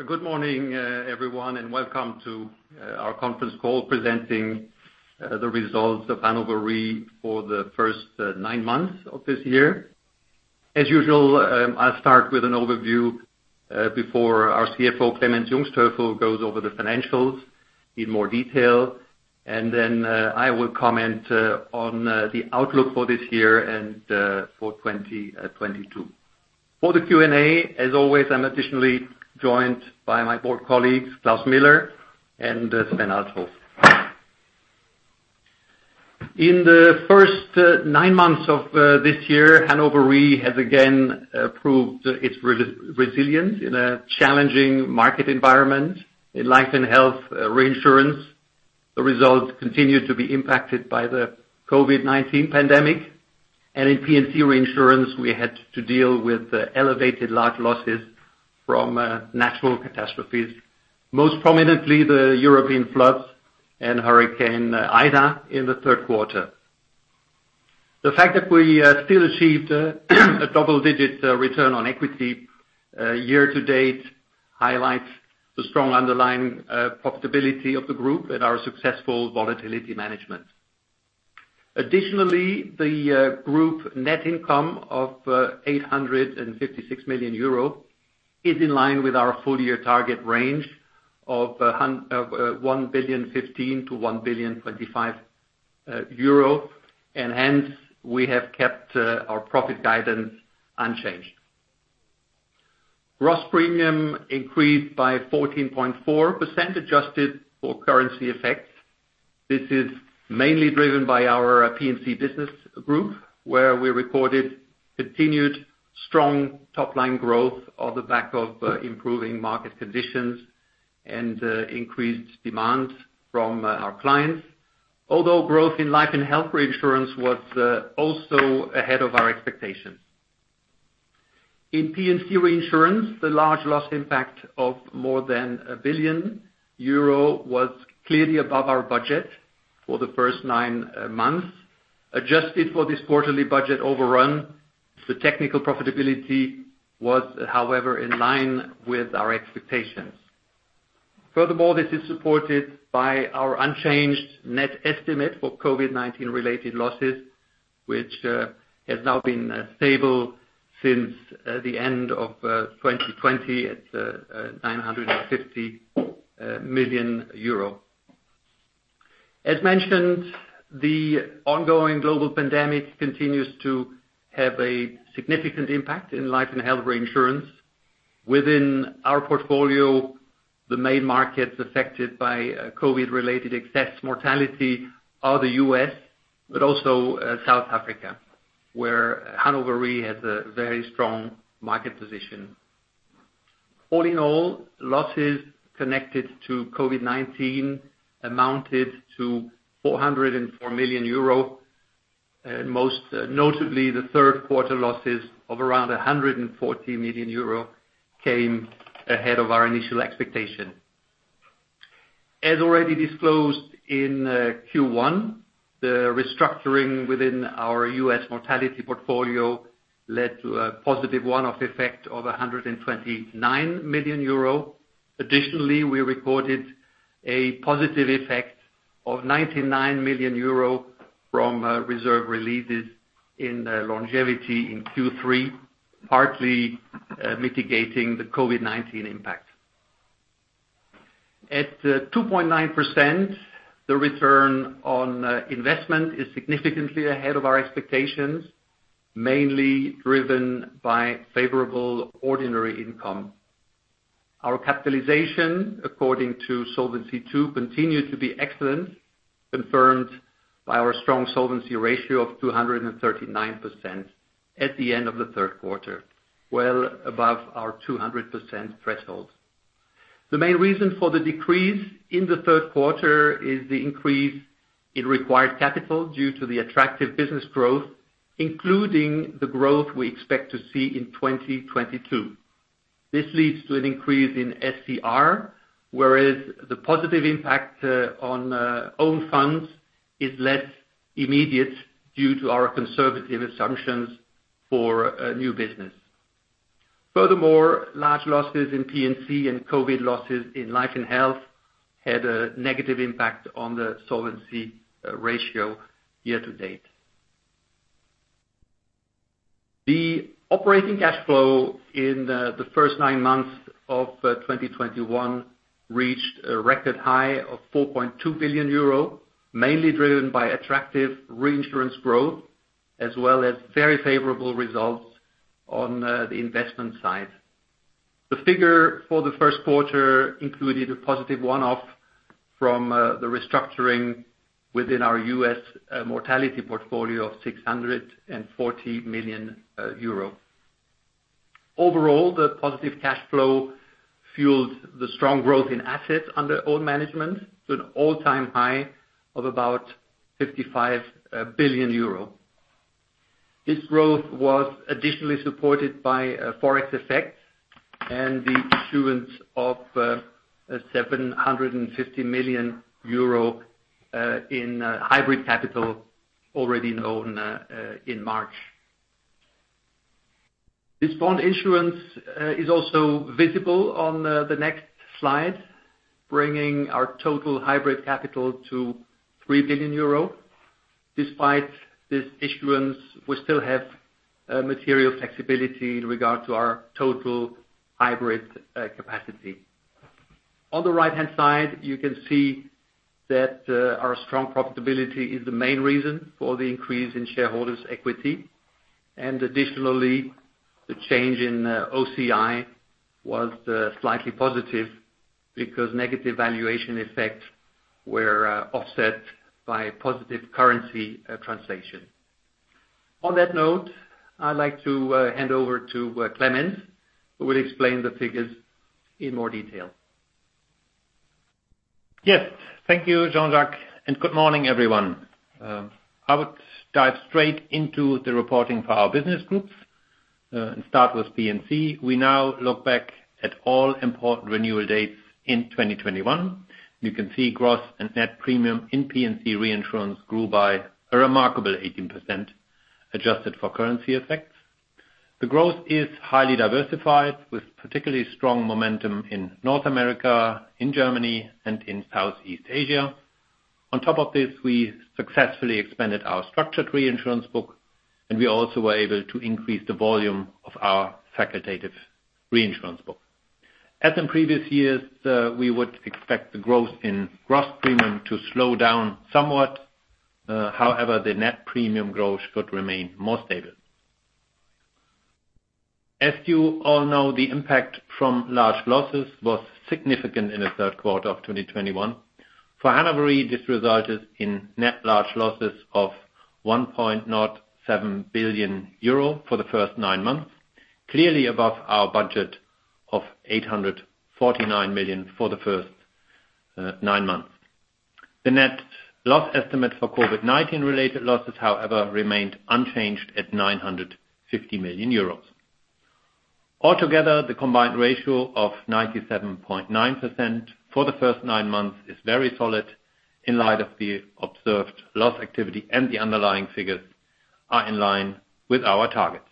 Well, good morning, everyone, and welcome to our conference call presenting the results of Hannover Re for the first nine months of this year. As usual, I'll start with an overview before our CFO, Clemens Jungsthöfel, goes over the financials in more detail. I will comment on the outlook for this year and for 2022. For the Q&A, as always, I'm additionally joined by my board colleagues, Klaus Miller and Sven Althoff. In the first nine months of this year, Hannover Re has again proved its resilience in a challenging market environment. In life and health reinsurance, the results continued to be impacted by the COVID-19 pandemic. In P&C reinsurance, we had to deal with the elevated large losses from natural catastrophes, most prominently the European floods and Hurricane Ida in the third quarter. The fact that we still achieved a double-digit return on equity year to date highlights the strong underlying profitability of the group and our successful volatility management. Additionally, the group net income of 856 million euro is in line with our full year target range of 1.15 billion-1.25 billion. Hence, we have kept our profit guidance unchanged. Gross premium increased by 14.4% adjusted for currency effects. This is mainly driven by our P&C business group, where we recorded continued strong top-line growth on the back of improving market conditions and increased demand from our clients. Although growth in life and health reinsurance was also ahead of our expectations. In P&C reinsurance, the large loss impact of more than 1 billion euro was clearly above our budget for the first nine months. Adjusted for this quarterly budget overrun, the technical profitability was, however, in line with our expectations. Furthermore, this is supported by our unchanged net estimate for COVID-19 related losses, which has now been stable since the end of 2020 at 950 million euro. As mentioned, the ongoing global pandemic continues to have a significant impact in life and health reinsurance. Within our portfolio, the main markets affected by COVID related excess mortality are the U.S., but also South Africa, where Hannover Re has a very strong market position. All in all, losses connected to COVID-19 amounted to 404 million euro. Most notably, the third quarter losses of around 114 million euro came ahead of our initial expectation. As already disclosed in Q1, the restructuring within our U.S. mortality portfolio led to a positive one-off effect of 129 million euro. Additionally, we recorded a positive effect of 99 million euro from reserve releases in longevity in Q3, partly mitigating the COVID-19 impact. At 2.9%, the return on investment is significantly ahead of our expectations, mainly driven by favorable ordinary income. Our capitalization, according to Solvency II, continued to be excellent, confirmed by our strong solvency ratio of 239% at the end of the third quarter, well above our 200% threshold. The main reason for the decrease in the third quarter is the increase in required capital due to the attractive business growth, including the growth we expect to see in 2022. This leads to an increase in SCR, whereas the positive impact on own funds is less immediate due to our conservative assumptions for new business. Furthermore, large losses in P&C and COVID losses in life & health had a negative impact on the solvency ratio year-to-date. The operating cash flow in the first nine months of 2021 reached a record high of 4.2 billion euro, mainly driven by attractive reinsurance growth, as well as very favorable results on the investment side. The figure for the first quarter included a positive one-off from the restructuring within our U.S. mortality portfolio of 640 million euro. Overall, the positive cash flow fueled the strong growth in assets under own management to an all-time high of about 55 billion euro. This growth was additionally supported by Forex effects and the issuance of 750 million euro in hybrid capital instruments, already known in March. This bond issuance is also visible on the next slide, bringing our total hybrid capital to 3 billion euro. Despite this issuance, we still have material flexibility in regard to our total hybrid capacity. On the right-hand side, you can see that our strong profitability is the main reason for the increase in shareholders' equity. Additionally, the change in OCI was slightly positive because negative valuation effects were offset by positive currency translation. On that note, I'd like to hand over to Clemens, who will explain the figures in more detail. Yes. Thank you, Jean-Jacques, and good morning, everyone. I would dive straight into the reporting for our business groups, and start with P&C. We now look back at all important renewal dates in 2021. You can see gross and net premium in P&C reinsurance grew by a remarkable 18% adjusted for currency effects. The growth is highly diversified, with particularly strong momentum in North America, in Germany, and in Southeast Asia. On top of this, we successfully expanded our structured reinsurance book, and we also were able to increase the volume of our facultative reinsurance book. As in previous years, we would expect the growth in gross premium to slow down somewhat. However, the net premium growth could remain more stable. As you all know, the impact from large losses was significant in the third quarter of 2021. For Hannover Re, this resulted in net large losses of 1.07 billion euro for the first nine months, clearly above our budget of 849 million for the first nine months. The net loss estimate for COVID-19 related losses, however, remained unchanged at 950 million euros. Altogether, the combined ratio of 97.9% for the first nine months is very solid in light of the observed loss activity, and the underlying figures are in line with our targets.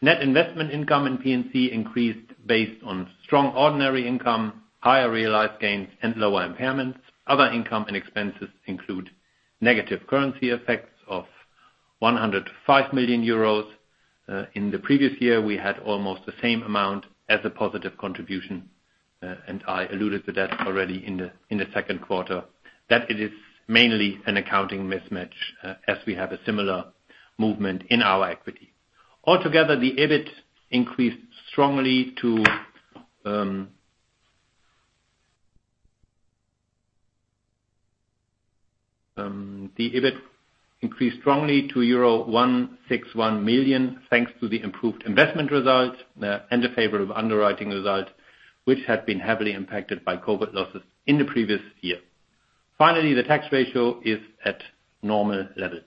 Net investment income in P&C increased based on strong ordinary income, higher realized gains, and lower impairments. Other income and expenses include negative currency effects of 105 million euros. In the previous year, we had almost the same amount as a positive contribution, and I alluded to that already in the second quarter, that it is mainly an accounting mismatch, as we have a similar movement in our equity. Altogether, the EBIT increased strongly to euro 161 million, thanks to the improved investment results and the favor of underwriting results, which had been heavily impacted by COVID losses in the previous year. Finally, the tax ratio is at normal levels.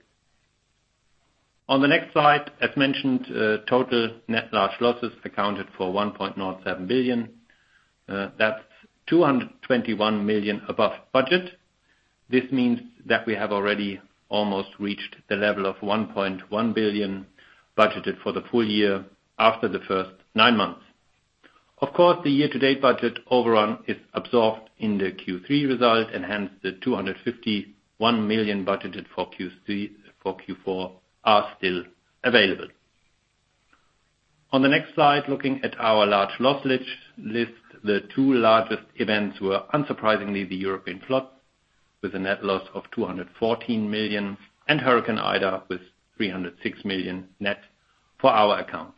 On the next slide, as mentioned, total net large losses accounted for 1.07 billion. That's 221 million above budget. This means that we have already almost reached the level of 1.1 billion budgeted for the full year after the first nine months. Of course, the year-to-date budget overrun is absorbed in the Q3 result, and hence the 251 million budgeted for Q4 are still available. On the next slide, looking at our large loss list, the two largest events were unsurprisingly the European floods with a net loss of 214 million and Hurricane Ida with 306 million net for our account.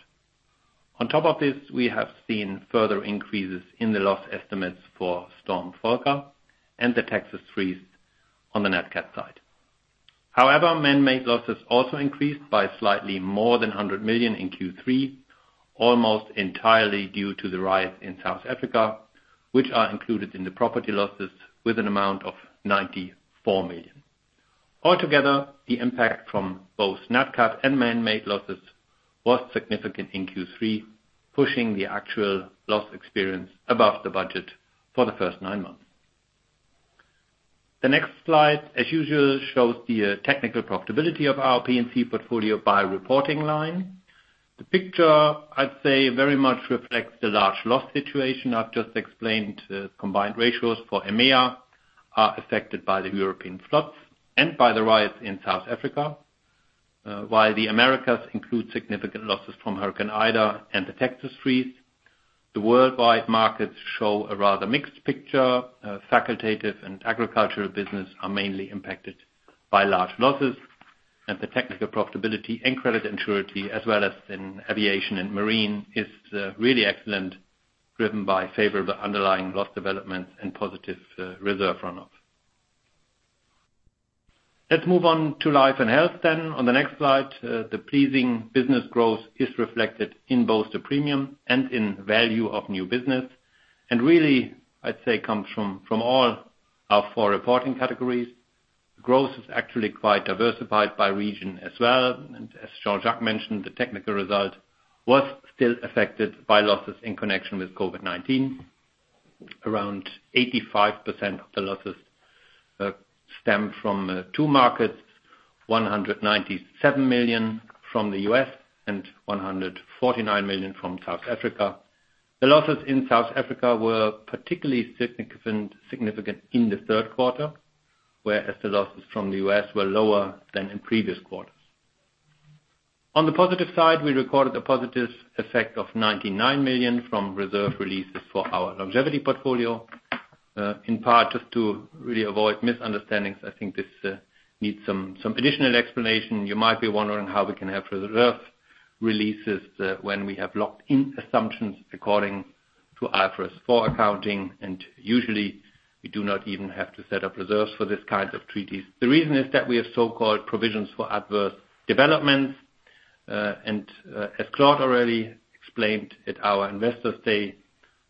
On top of this, we have seen further increases in the loss estimates for Winter Storm Uri and the Texas freeze on the net cat side. However, manmade losses also increased by slightly more than 100 million in Q3, almost entirely due to the riots in South Africa, which are included in the property losses with an amount of 94 million. Altogether, the impact from both net cat and manmade losses was significant in Q3, pushing the actual loss experience above the budget for the first nine months. The next slide, as usual, shows the technical profitability of our P&C portfolio by reporting line. The picture, I'd say, very much reflects the large loss situation I've just explained. The combined ratios for EMEA are affected by the European floods and by the riots in South Africa. While the Americas include significant losses from Hurricane Ida and the Texas freeze. The worldwide markets show a rather mixed picture. Facultative and agricultural business are mainly impacted by large losses. The technical profitability and credit and surety, as well as in aviation and marine, is really excellent, driven by favorable underlying loss development and positive reserve runoff. Let's move on to life and health then. On the next slide, the pleasing business growth is reflected in both the premium and in value of new business, and really, I'd say, comes from all our four reporting categories. Growth is actually quite diversified by region as well. As Jean-Jacques mentioned, the technical result was still affected by losses in connection with COVID-19. Around 85% of the losses stem from two markets. 197 million from the U.S., and 149 million from South Africa. The losses in South Africa were particularly significant in the third quarter, whereas the losses from the U.S. were lower than in previous quarters. On the positive side, we recorded a positive effect of 99 million from reserve releases for our longevity portfolio. In part, just to really avoid misunderstandings, I think this needs some additional explanation. You might be wondering how we can have reserve releases, when we have locked in assumptions according to IFRS 4 accounting, and usually we do not even have to set up reserves for these kinds of treaties. The reason is that we have so-called provisions for adverse developments. As Klaus already explained at our Investors' Day,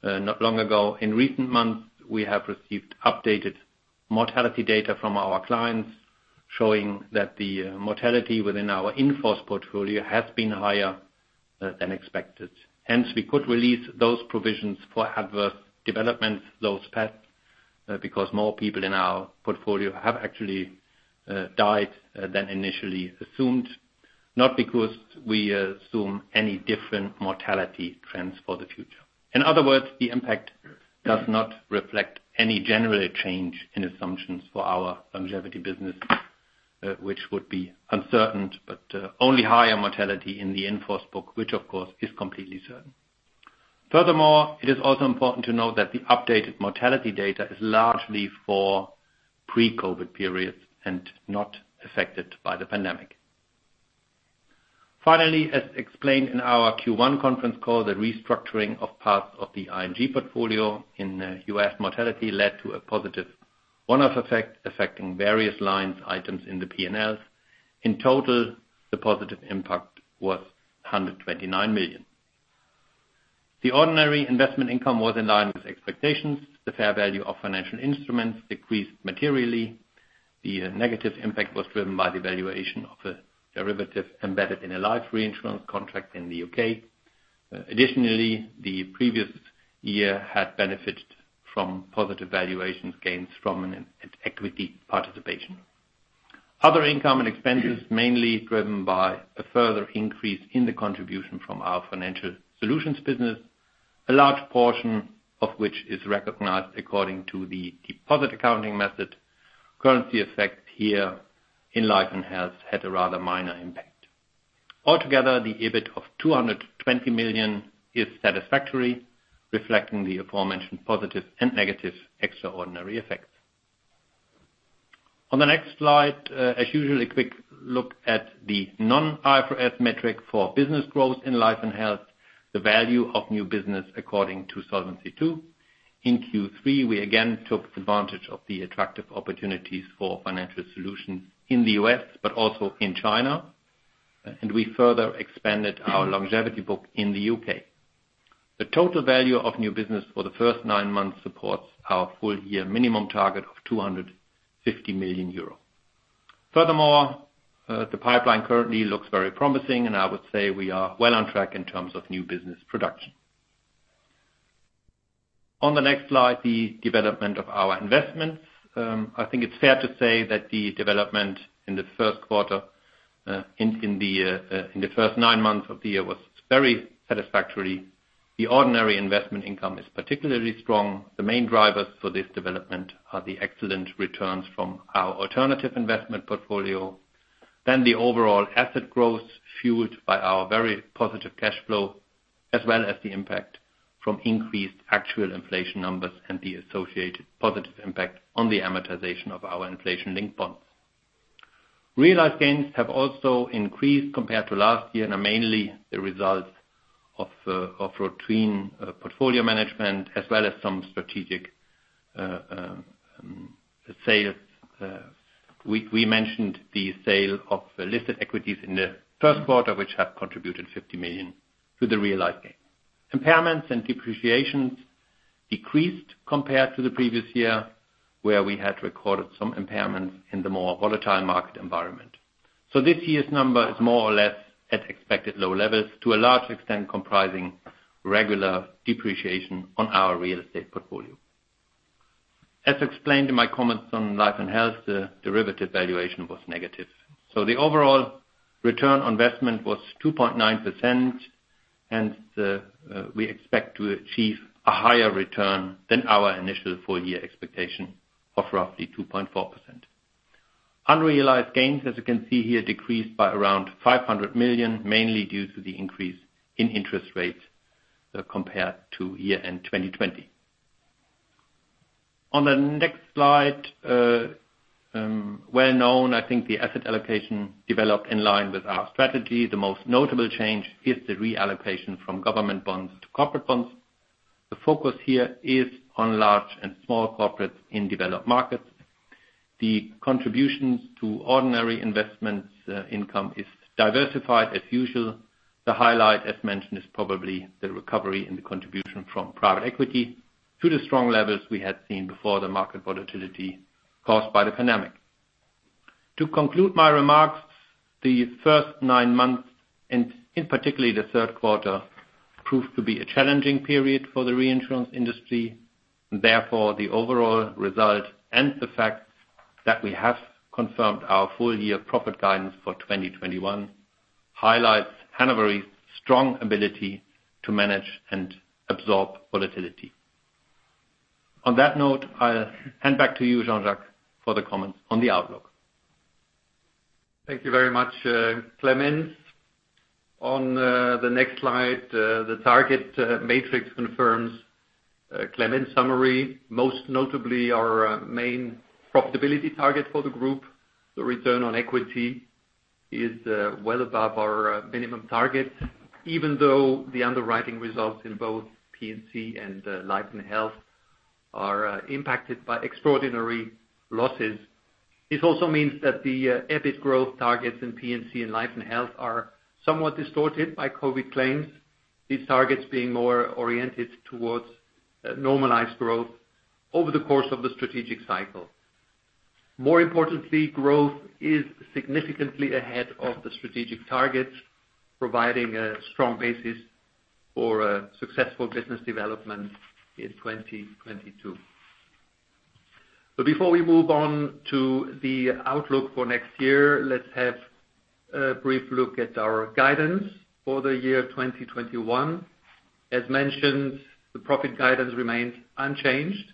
not long ago. In recent months, we have received updated mortality data from our clients, showing that the mortality within our in-force portfolio has been higher, than expected. Hence, we could release those provisions for adverse developments, those PAD, because more people in our portfolio have actually, died, than initially assumed, not because we assume any different mortality trends for the future. In other words, the impact does not reflect any general change in assumptions for our longevity business, which would be uncertain, but only higher mortality in the in-force book, which of course is completely certain. Furthermore, it is also important to note that the updated mortality data is largely for pre-COVID periods and not affected by the pandemic. Finally, as explained in our Q1 conference call, the restructuring of parts of the ING portfolio in U.S. mortality led to a positive one-off effect affecting various line items in the P&Ls. In total, the positive impact was 129 million. The ordinary investment income was in line with expectations. The fair value of financial instruments decreased materially. The negative impact was driven by the valuation of a derivative embedded in a life reinsurance contract in the U.K. Additionally, the previous year had benefited from positive valuation gains from an equity participation. Other income and expenses mainly driven by a further increase in the contribution from our financial solutions business, a large portion of which is recognized according to the deposit accounting method. Currency effects here in Life and Health had a rather minor impact. Altogether, the EBIT of 220 million is satisfactory, reflecting the aforementioned positive and negative extraordinary effects. On the next slide, as usual, a quick look at the non-IFRS metric for business growth in Life and Health, the value of new business according to Solvency II. In Q3, we again took advantage of the attractive opportunities for financial solutions in the U.S., but also in China. We further expanded our longevity book in the U.K. The total value of new business for the first nine months supports our full year minimum target of 250 million euro. Furthermore, the pipeline currently looks very promising, and I would say we are well on track in terms of new business production. On the next slide, the development of our investments. I think it's fair to say that the development in the first nine months of the year was very satisfactory. The ordinary investment income is particularly strong. The main drivers for this development are the excellent returns from our alternative investment portfolio. The overall asset growth fueled by our very positive cash flow, as well as the impact from increased actual inflation numbers and the associated positive impact on the amortization of our inflation-linked bonds. Realized gains have also increased compared to last year, and are mainly the result of routine portfolio management as well as some strategic sales. We mentioned the sale of listed equities in the first quarter, which have contributed 50 million to the realized gain. Impairments and depreciations decreased compared to the previous year, where we had recorded some impairments in the more volatile market environment. This year's number is more or less at expected low levels, to a large extent comprising regular depreciation on our real estate portfolio. As explained in my comments on Life and Health, the derivative valuation was negative. The overall return on investment was 2.9%, and we expect to achieve a higher return than our initial full year expectation of roughly 2.4%. Unrealized gains, as you can see here, decreased by around 500 million, mainly due to the increase in interest rates, compared to year-end 2020. On the next slide, well known, I think the asset allocation developed in line with our strategy. The most notable change is the reallocation from government bonds to corporate bonds. The focus here is on large and small corporates in developed markets. The contributions to ordinary investments, income is diversified as usual. The highlight, as mentioned, is probably the recovery in the contribution from private equity to the strong levels we had seen before the market volatility caused by the pandemic. To conclude my remarks, the first nine months, and in particular the third quarter, proved to be a challenging period for the reinsurance industry. Therefore, the overall result and the fact that we have confirmed our full year profit guidance for 2021 highlights Hannover's strong ability to manage and absorb volatility. On that note, I'll hand back to you, Jean-Jacques, for the comments on the outlook. Thank you very much, Clemens. On the next slide, the target matrix confirms Clemens' summary, most notably our main profitability target for the group. The return on equity is well above our minimum target, even though the underwriting results in both P&C and life & health are impacted by extraordinary losses. This also means that the organic growth targets in P&C and life & health are somewhat distorted by COVID claims, these targets being more oriented towards normalized growth over the course of the strategic cycle. More importantly, growth is significantly ahead of the strategic target, providing a strong basis for a successful business development in 2022. Before we move on to the outlook for next year, let's have a brief look at our guidance for the year 2021. As mentioned, the profit guidance remains unchanged.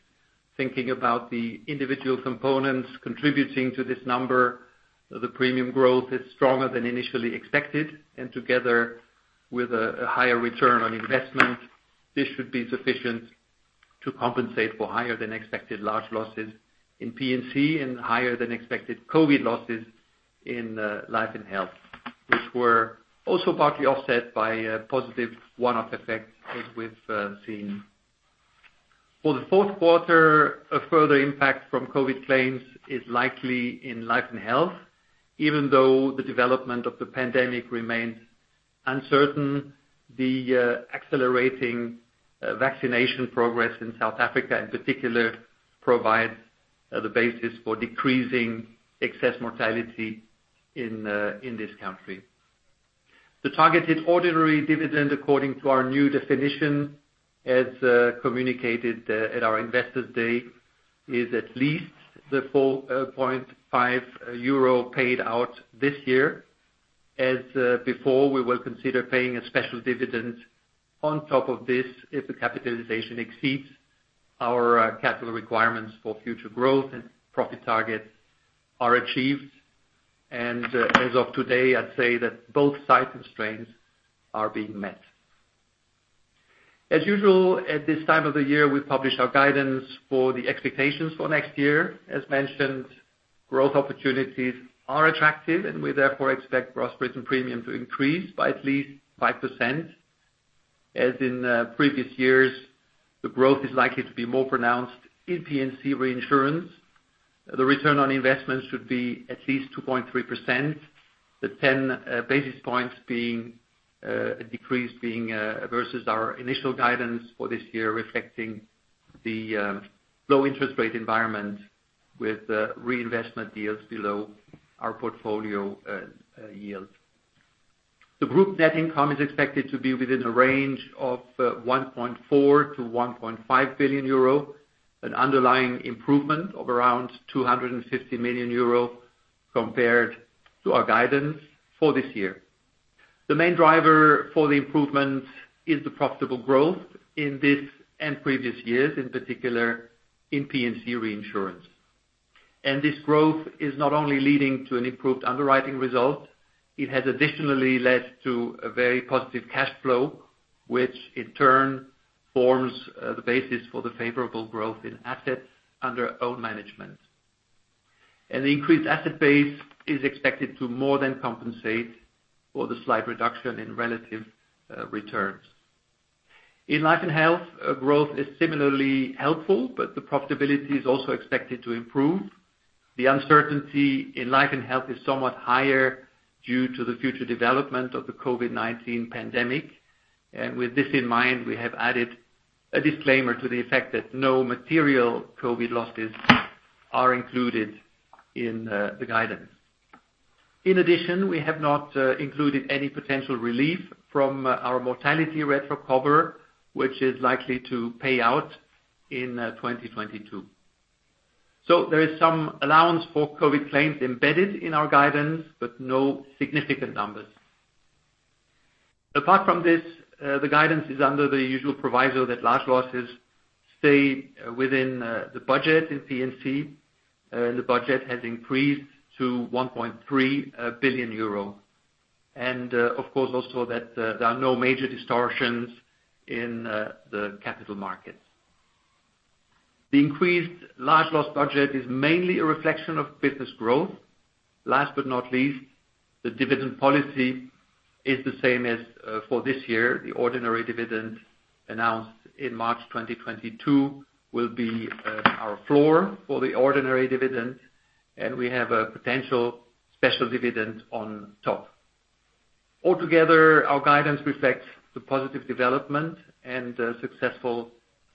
Thinking about the individual components contributing to this number, the premium growth is stronger than initially expected, and together with a higher return on investment, this should be sufficient to compensate for higher than expected large losses in P&C and higher than expected COVID losses in life & health, which were also partly offset by a positive one-off effect that we've seen. For the fourth quarter, a further impact from COVID claims is likely in life & health. Even though the development of the pandemic remains uncertain, the accelerating vaccination progress in South Africa in particular provides the basis for decreasing excess mortality in this country. The targeted ordinary dividend according to our new definition, as communicated, at our Investors' Day, is at least 4.5 euro paid out this year. As before, we will consider paying a special dividend on top of this if the capitalization exceeds our capital requirements for future growth and profit targets are achieved. As of today, I'd say that both sides and strains are being met. As usual, at this time of the year, we publish our guidance for the expectations for next year. As mentioned, growth opportunities are attractive, and we therefore expect gross written premium to increase by at least 5%. As in previous years, the growth is likely to be more pronounced in P&C reinsurance. The return on investment should be at least 2.3%, the 10 basis points being a decrease versus our initial guidance for this year, reflecting the low interest rate environment with reinvestment deals below our portfolio yield. The group net income is expected to be within a range of 1.4 billion-1.5 billion euro, an underlying improvement of around 250 million euro compared to our guidance for this year. The main driver for the improvement is the profitable growth in this and previous years, in particular in P&C reinsurance. This growth is not only leading to an improved underwriting result, it has additionally led to a very positive cash flow, which in turn forms the basis for the favorable growth in assets under own management. The increased asset base is expected to more than compensate for the slight reduction in relative returns. In life & health, growth is similarly helpful, but the profitability is also expected to improve. The uncertainty in life & health is somewhat higher due to the future development of the COVID-19 pandemic. With this in mind, we have added a disclaimer to the effect that no material COVID losses are included in the guidance. In addition, we have not included any potential relief from our mortality retro cover, which is likely to pay out in 2022. There is some allowance for COVID claims embedded in our guidance, but no significant numbers. Apart from this, the guidance is under the usual proviso that large losses stay within the budget in P&C. The budget has increased to 1.3 billion euro. Of course, also that there are no major distortions in the capital markets. The increased large loss budget is mainly a reflection of business growth. Last but not least, the dividend policy is the same as for this year. The ordinary dividend announced in March 2022 will be our floor for the ordinary dividend, and we have a potential special dividend on top. Altogether, our guidance reflects the positive development and successful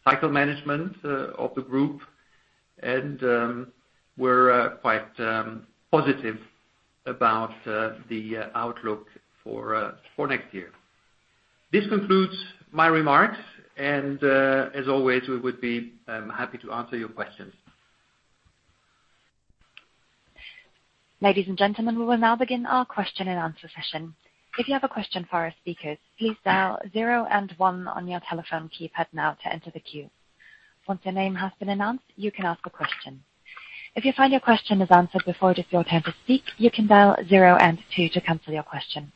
cycle management of the group. We're quite positive about the outlook for next year. This concludes my remarks, and as always, we would be happy to answer your questions. Ladies and gentlemen, we will now begin our question-and-answer session. If you have a question for our speakers, please dial zero and one on your telephone keypad now to enter the queue. Once your name has been announced, you can ask a question. If you find your question is answered before it is your turn to speak, you can dial zero and two to cancel your question.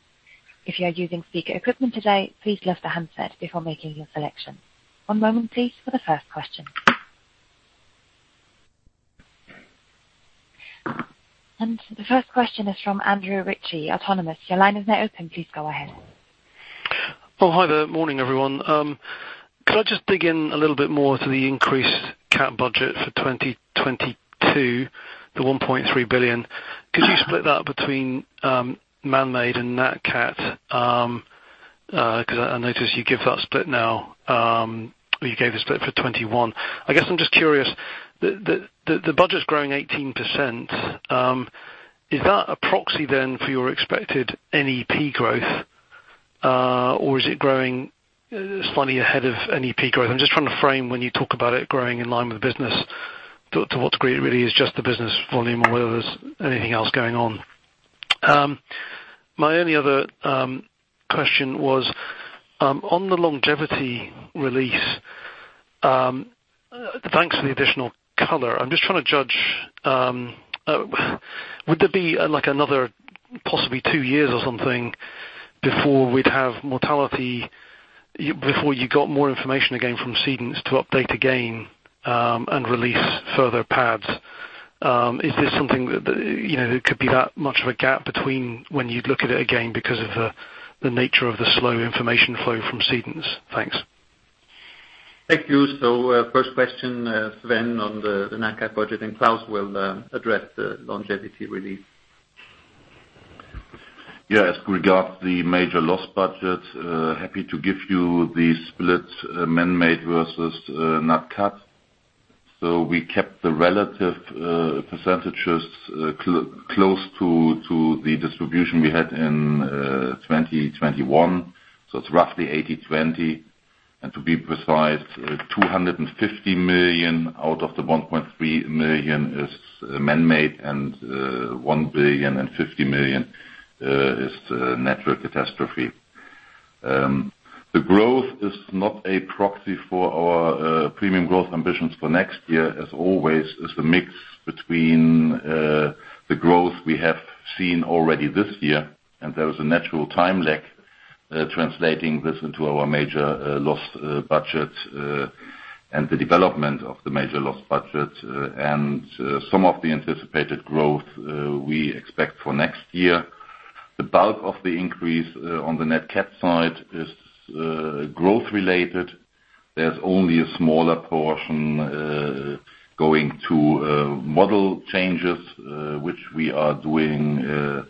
If you are using speaker equipment today, please lift the handset before making your selection. One moment please for the first question. The first question is from Andrew Ritchie, Autonomous. Your line is now open. Please go ahead. Oh, hi there. Morning, everyone. Could I just dig in a little bit more to the increased CAT budget for 2022, the 1.3 billion. Could you split that between man-made and nat cat? 'Cause I noticed you give that split now. You gave the split for 2021. I guess I'm just curious, the budget's growing 18%. Is that a proxy then for your expected NEP growth, or is it growing slightly ahead of NEP growth? I'm just trying to frame when you talk about it growing in line with business, to what degree it really is just the business volume or whether there's anything else going on. My only other question was on the longevity release, thanks for the additional color. I'm just trying to judge, would there be, like, another possibly two years or something before we'd have mortality before you got more information again from cedants to update again, and release further pads? Is this something that, you know, could be that much of a gap between when you'd look at it again because of the nature of the slow information flow from cedants? Thanks. Thank you. First question, Sven on the nat cat budget, and Klaus will address the longevity release. Yeah. As regards the major loss budget, happy to give you the split, man-made versus nat cat. We kept the relative percentages close to the distribution we had in 2021. It's roughly 80/20. To be precise, 250 million out of the 1.3 billion is man-made, and 1.05 billion is natural catastrophe. The growth is not a proxy for our premium growth ambitions for next year. As always, it's the mix between the growth we have seen already this year, and there is a natural time lag translating this into our major loss budget, and the development of the major loss budget, and some of the anticipated growth we expect for next year. The bulk of the increase on the nat cat side is growth related. There's only a smaller portion going to model changes, which we are doing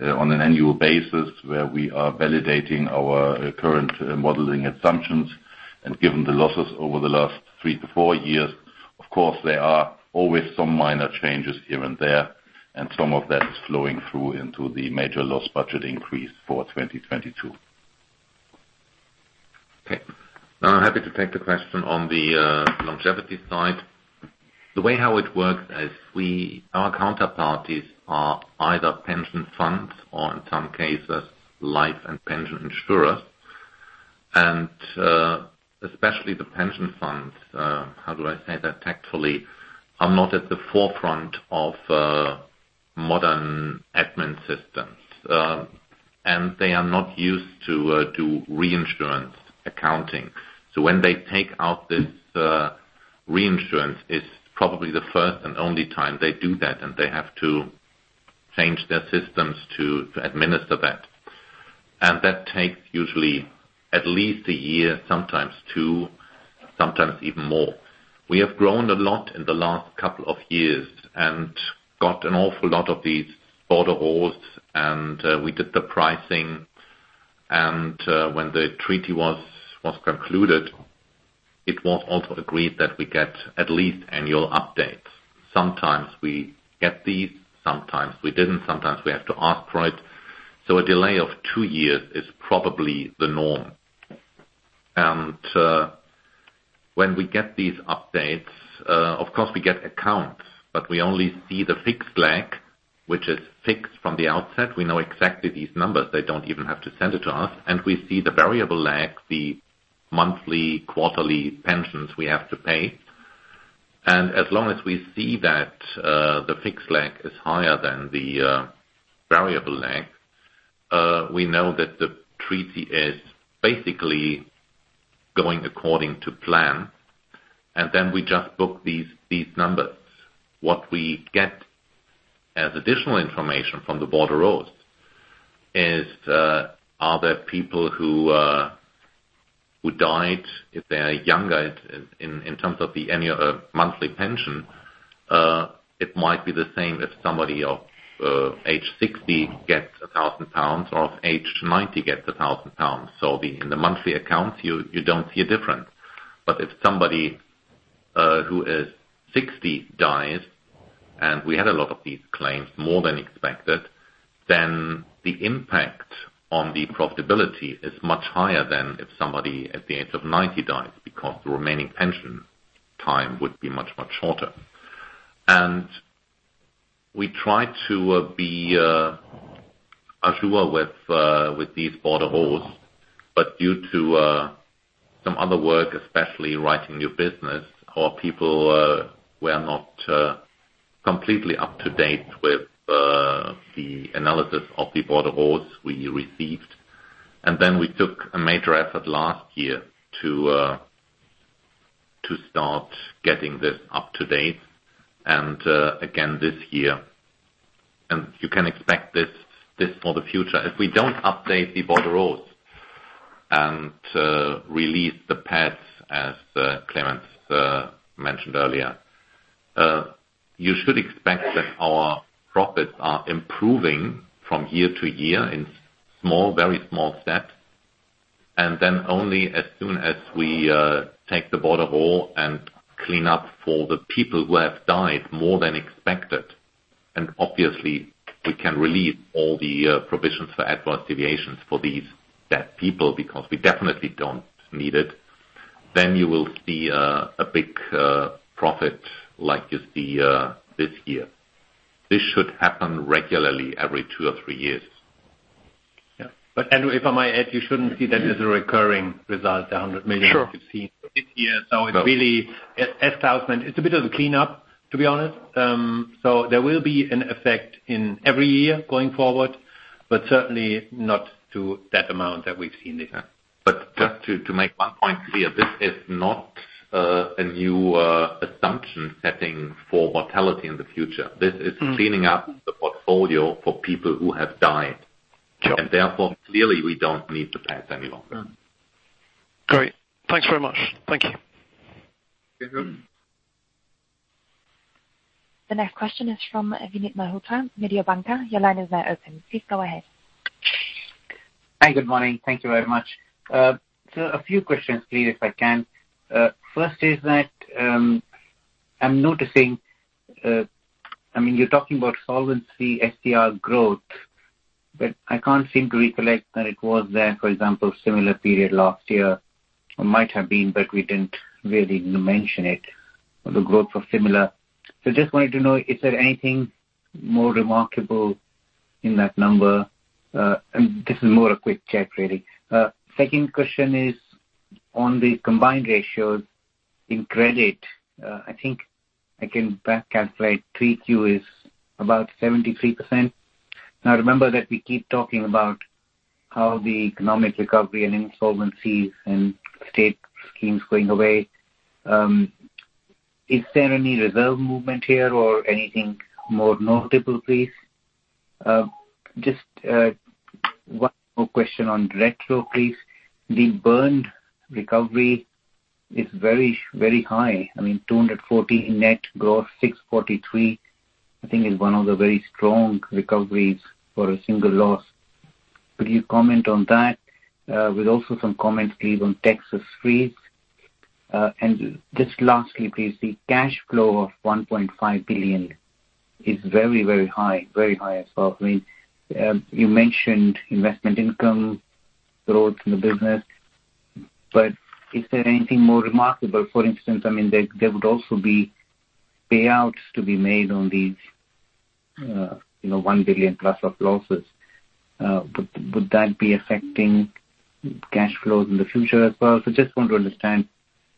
on an annual basis, where we are validating our current modeling assumptions. Given the losses over the last three to four years, of course, there are always some minor changes here and there, and some of that is flowing through into the major loss budget increase for 2022. Okay. Now, I'm happy to take the question on the longevity side. The way how it works is our counterparties are either pension funds or in some cases life and pension insurers. Especially the pension funds, how do I say that tactfully? Are not at the forefront of modern admin systems. They are not used to reinsurance accounting. When they take out this reinsurance, it's probably the first and only time they do that, and they have to change their systems to administer that. That takes usually at least a year, sometimes two, sometimes even more. We have grown a lot in the last couple of years and got an awful lot of these bordereaux, and we did the pricing. When the treaty was concluded, it was also agreed that we get at least annual updates. Sometimes we get these, sometimes we didn't. Sometimes we have to ask for it. A delay of two years is probably the norm. When we get these updates, of course we get accounts, but we only see the fixed lag, which is fixed from the outset. We know exactly these numbers. They don't even have to send it to us. We see the variable lag, the monthly, quarterly pensions we have to pay. As long as we see that the fixed lag is higher than the variable lag, we know that the treaty is basically going according to plan, and then we just book these numbers. What we get as additional information from the bordereaux is, are there people who died, if they are younger in terms of the annual monthly pension, it might be the same as somebody of age 60 gets 1,000 pounds or of age 90 gets 1,000 pounds. In the monthly accounts, you don't see a difference. But if somebody who is 60 dies, and we had a lot of these claims, more than expected, then the impact on the profitability is much higher than if somebody at the age of 90 dies, because the remaining pension time would be much, much shorter. We try to be assured with these bordereaux, but due to some other work, especially writing new business, our people were not completely up to date with the analysis of the bordereaux we received. Then we took a major effort last year to start getting this up to date. Again, this year. You can expect this for the future. If we don't update the bordereaux and release the pads, as Clemens mentioned earlier, you should expect that our profits are improving from year-to-year in small, very small steps. Then only as soon as we take the bordereau and clean up for the people who have died more than expected. Obviously, we can release all the provisions for adverse deviations for these dead people because we definitely don't need it. You will see a big profit like you see this year. This should happen regularly every two or three years. Yeah. Andrew, if I might add, you shouldn't see that as a recurring result, 100 million- Sure. -that you see this year. It's really, as Klaus meant, it's a bit of a cleanup, to be honest. There will be an effect in every year going forward, but certainly not to that amount that we've seen this year. just to make one point clear, this is not a new assumption setting for mortality in the future. This is- Mm. cleaning up the portfolio for people who have died. Sure. Therefore, clearly, we don't need to pay it anymore. Great. Thanks very much. Thank you. [Thank you] The next question is from Vinit Malhotra, Mediobanca. Your line is now open. Please go ahead. Hi, good morning. Thank you very much. A few questions, please, if I can. First is that, I'm noticing, I mean, you're talking about solvency SCR growth, but I can't seem to recollect that it was there, for example, similar period last year. It might have been, but we didn't really mention it, or the growth was similar. Just wanted to know, is there anything more remarkable in that number? This is more a quick check, really. Second question is on the combined ratios in credit. I think I can back calculate 3Q is about 73%. Now, remember that we keep talking about how the economic recovery and insolvencies and state schemes going away. Is there any reserve movement here or anything more notable, please? Just, one more question on retro, please. The Bernd recovery is very, very high. I mean, 240 net growth, 643, I think, is one of the very strong recoveries for a single loss. Could you comment on that with also some comments, please, on Texas Freeze? Just lastly, please, the cash flow of 1.5 billion is very, very high. Very high as well. I mean, you mentioned investment income growth in the business, but is there anything more remarkable? For instance, I mean, there would also be payouts to be made on these, you know, 1 billion plus of losses. Would that be affecting cash flows in the future as well? Just want to understand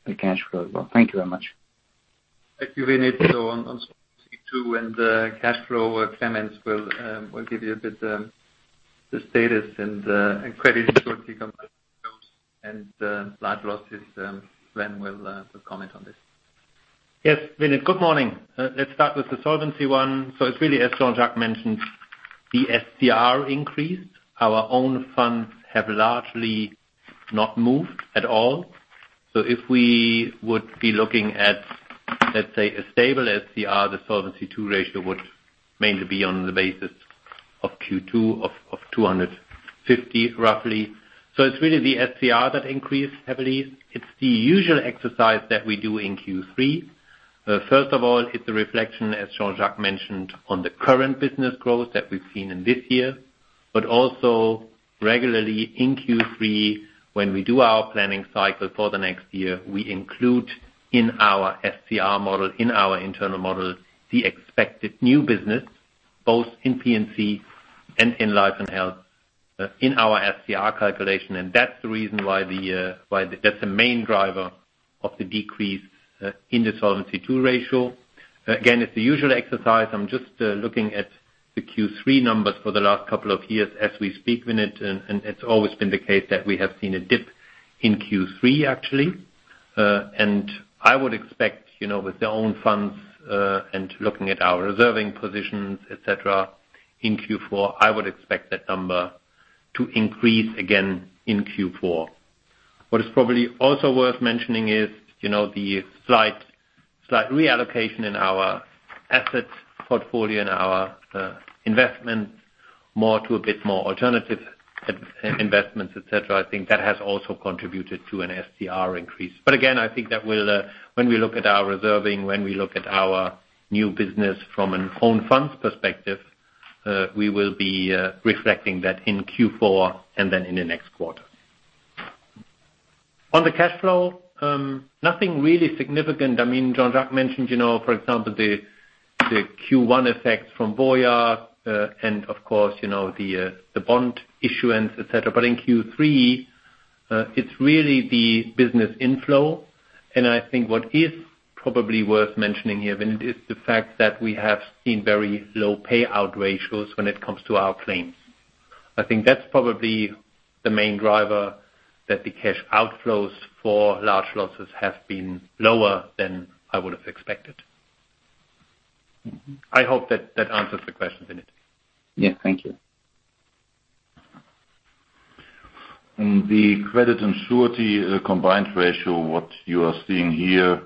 the cash flow as well. Thank you very much. Thank you, Vinit. On Solvency II and cash flow, Clemens will give you a bit, the status and credit and large losses, Sven will comment on this. Yes. Vinit, good morning. Let's start with the Solvency I. It's really, as Jean-Jacques mentioned, the SCR increased. Our own funds have largely not moved at all. If we would be looking at, let's say, a stable SCR, the Solvency II ratio would mainly be on the basis of Q2 of 250%, roughly. It's really the SCR that increased heavily. It's the usual exercise that we do in Q3. First of all, it's a reflection, as Jean-Jacques mentioned, on the current business growth that we've seen in this year, but also regularly in Q3, when we do our planning cycle for the next year, we include in our SCR model, in our internal model, the expected new business, both in P&C and in Life & Health, in our SCR calculation, and that's the reason why that's the main driver of the decrease in the Solvency II ratio. Again, it's the usual exercise. I'm just looking at the Q3 numbers for the last couple of years as we speak, Vinit, and it's always been the case that we have seen a dip in Q3, actually. I would expect, you know, with their own funds and looking at our reserving positions, et cetera, in Q4, I would expect that number to increase again in Q4. What is probably also worth mentioning is, you know, the slight reallocation in our assets portfolio and our investment more to a bit more alternative investments, et cetera. I think that has also contributed to an SCR increase. But again, I think that will, when we look at our reserving, when we look at our new business from an own funds perspective, we will be reflecting that in Q4 and then in the next quarter. On the cash flow, nothing really significant. I mean, Jean-Jacques mentioned, you know, for example, the Q1 effect from Voya, and of course, you know, the bond issuance, et cetera. In Q3, it's really the business inflow. I think what is probably worth mentioning here, Vinit, is the fact that we have seen very low payout ratios when it comes to our claims. I think that's probably the main driver that the cash outflows for large losses have been lower than I would have expected. I hope that that answers the question, Vinit. Yeah. Thank you. On the credit and surety combined ratio, what you are seeing here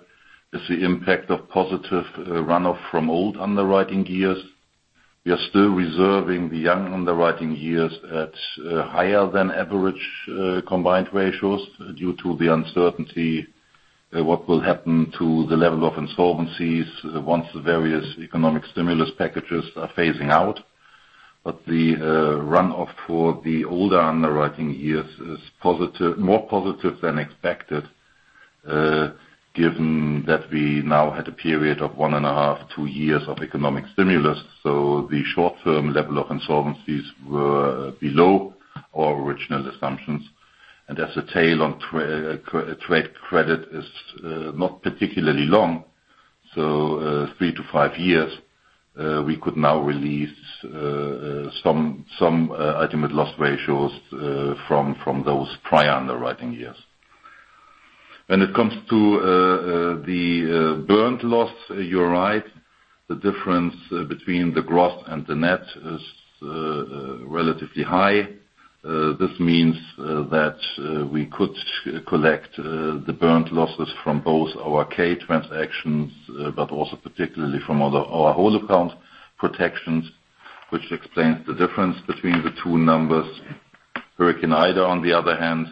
is the impact of positive runoff from old underwriting years. We are still reserving the young underwriting years at higher than average combined ratios due to the uncertainty what will happen to the level of insolvencies once the various economic stimulus packages are phasing out. The runoff for the older underwriting years is positive, more positive than expected, given that we now had a period of 1.5-2 years of economic stimulus. The short term level of insolvencies were below our original assumptions. As the tail on trade credit is not particularly long, 3-5 years, we could now release some ultimate loss ratios from those prior underwriting years. When it comes to the Bernd loss, you're right. The difference between the gross and the net is relatively high. This means that we could collect the Bernd losses from both our K transactions, but also particularly from our whole account protections, which explains the difference between the two numbers. Hurricane Ida, on the other hand,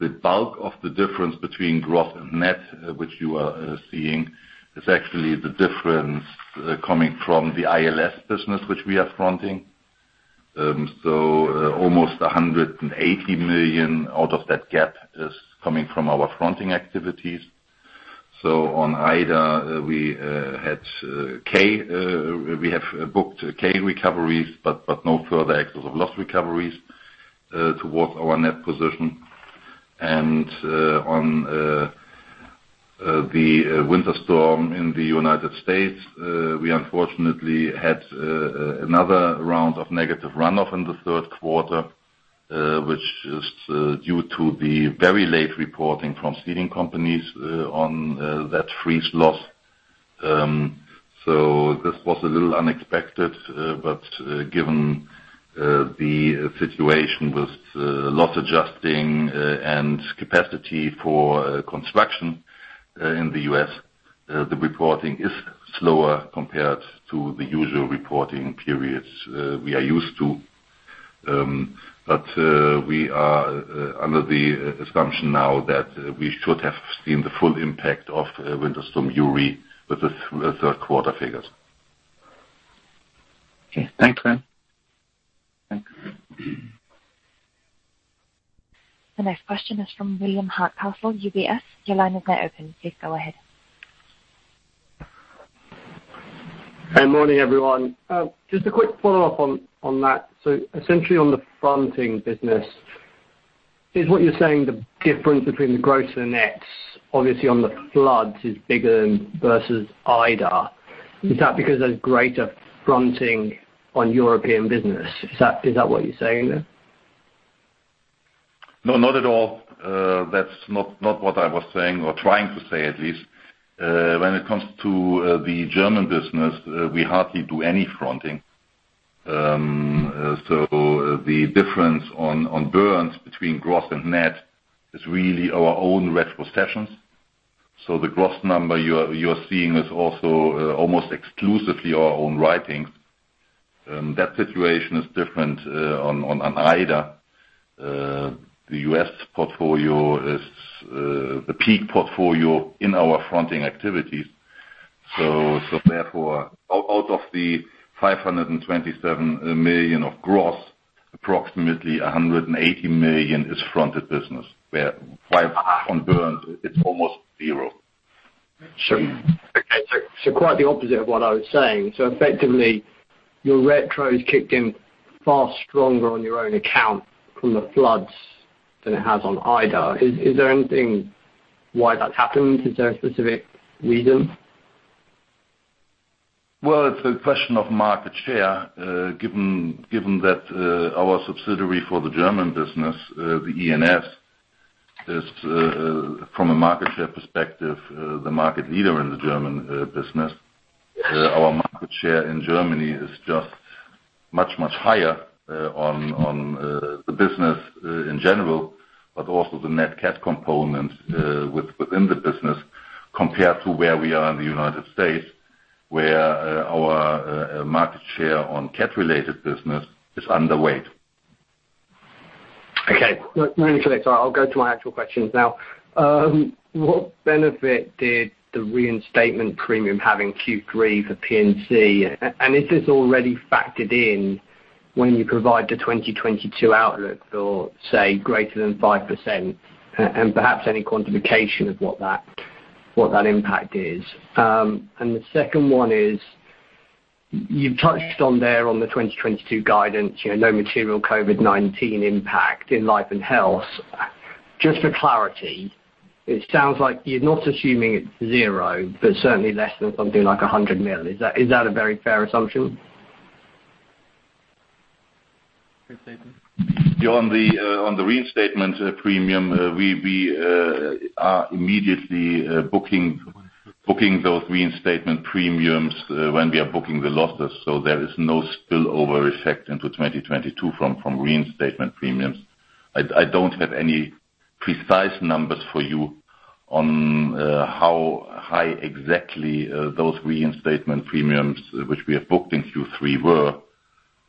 the bulk of the difference between gross and net, which you are seeing, is actually the difference coming from the ILS business, which we are fronting. So almost 180 million out of that gap is coming from our fronting activities. So on Ida, we had K, we have booked K recoveries, but no further excess of loss recoveries towards our net position. On the winter storm in the United States, we unfortunately had another round of negative runoff in the third quarter, which is due to the very late reporting from ceding companies on that freeze loss. This was a little unexpected, but given the situation with loss adjusting and capacity for construction in the U.S., the reporting is slower compared to the usual reporting periods we are used to. We are under the assumption now that we should have seen the full impact of Winter Storm Uri with the third quarter figures. Okay. Thanks, Sven. Thanks. The next question is from William Hardcastle, UBS. Your line is now open. Please go ahead. Good morning, everyone. Just a quick follow-up on that. Essentially, on the fronting business, is what you're saying the difference between the gross and the nets, obviously on the floods is bigger than versus Ida. Is that because there's greater fronting on European business? Is that what you're saying there? No, not at all. That's not what I was saying or trying to say at least. When it comes to the German business, we hardly do any fronting. So the difference on Bernd between gross and net is really our own retrocessions. The gross number you're seeing is also almost exclusively our own writings. That situation is different on Ida. The U.S. portfolio is the peak portfolio in our fronting activities. Therefore, out of the 527 million of gross, approximately 180 million is fronted business, where on Bernd, it's almost zero. Okay. Quite the opposite of what I was saying. Effectively, your retros kicked in far stronger on your own account from the floods than it has on Ida. Is there any reason why that's happened? Is there a specific reason? Well, it's a question of market share. Given that our subsidiary for the German business, the E&S, is from a market share perspective the market leader in the German business. Our market share in Germany is just much, much higher on the business in general, but also the nat cat components within the business compared to where we are in the United States, where our market share on nat cat-related business is underweight. Okay. No, wait a minute, [Sven]. I'll go to my actual questions now. What benefit did the reinstatement premium have in Q3 for P&C? And is this already factored in when you provide the 2022 outlook for, say, greater than 5%, and perhaps any quantification of what that impact is? And the second one is, you've touched on there on the 2022 guidance, you know, no material COVID-19 impact in life and health. Just for clarity, it sounds like you're not assuming it's zero, but certainly less than something like 100 million. Is that a very fair assumption? On the reinstatement premium, we are immediately booking those reinstatement premiums when we are booking the losses. There is no spillover effect into 2022 from reinstatement premiums. I don't have any precise numbers for you on how high exactly those reinstatement premiums, which we have booked in Q3 were.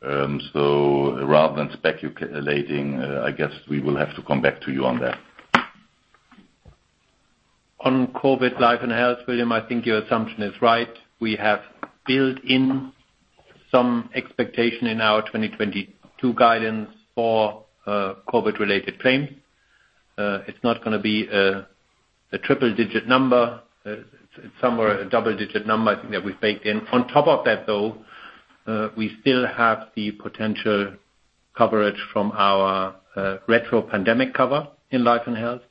Rather than speculating, I guess we will have to come back to you on that. On COVID life and health, William, I think your assumption is right. We have built in some expectation in our 2022 guidance for COVID-related claims. It's not gonna be a triple-digit number. It's somewhere a double-digit number I think that we've baked in. On top of that, though, we still have the potential coverage from our retro pandemic cover in life and health.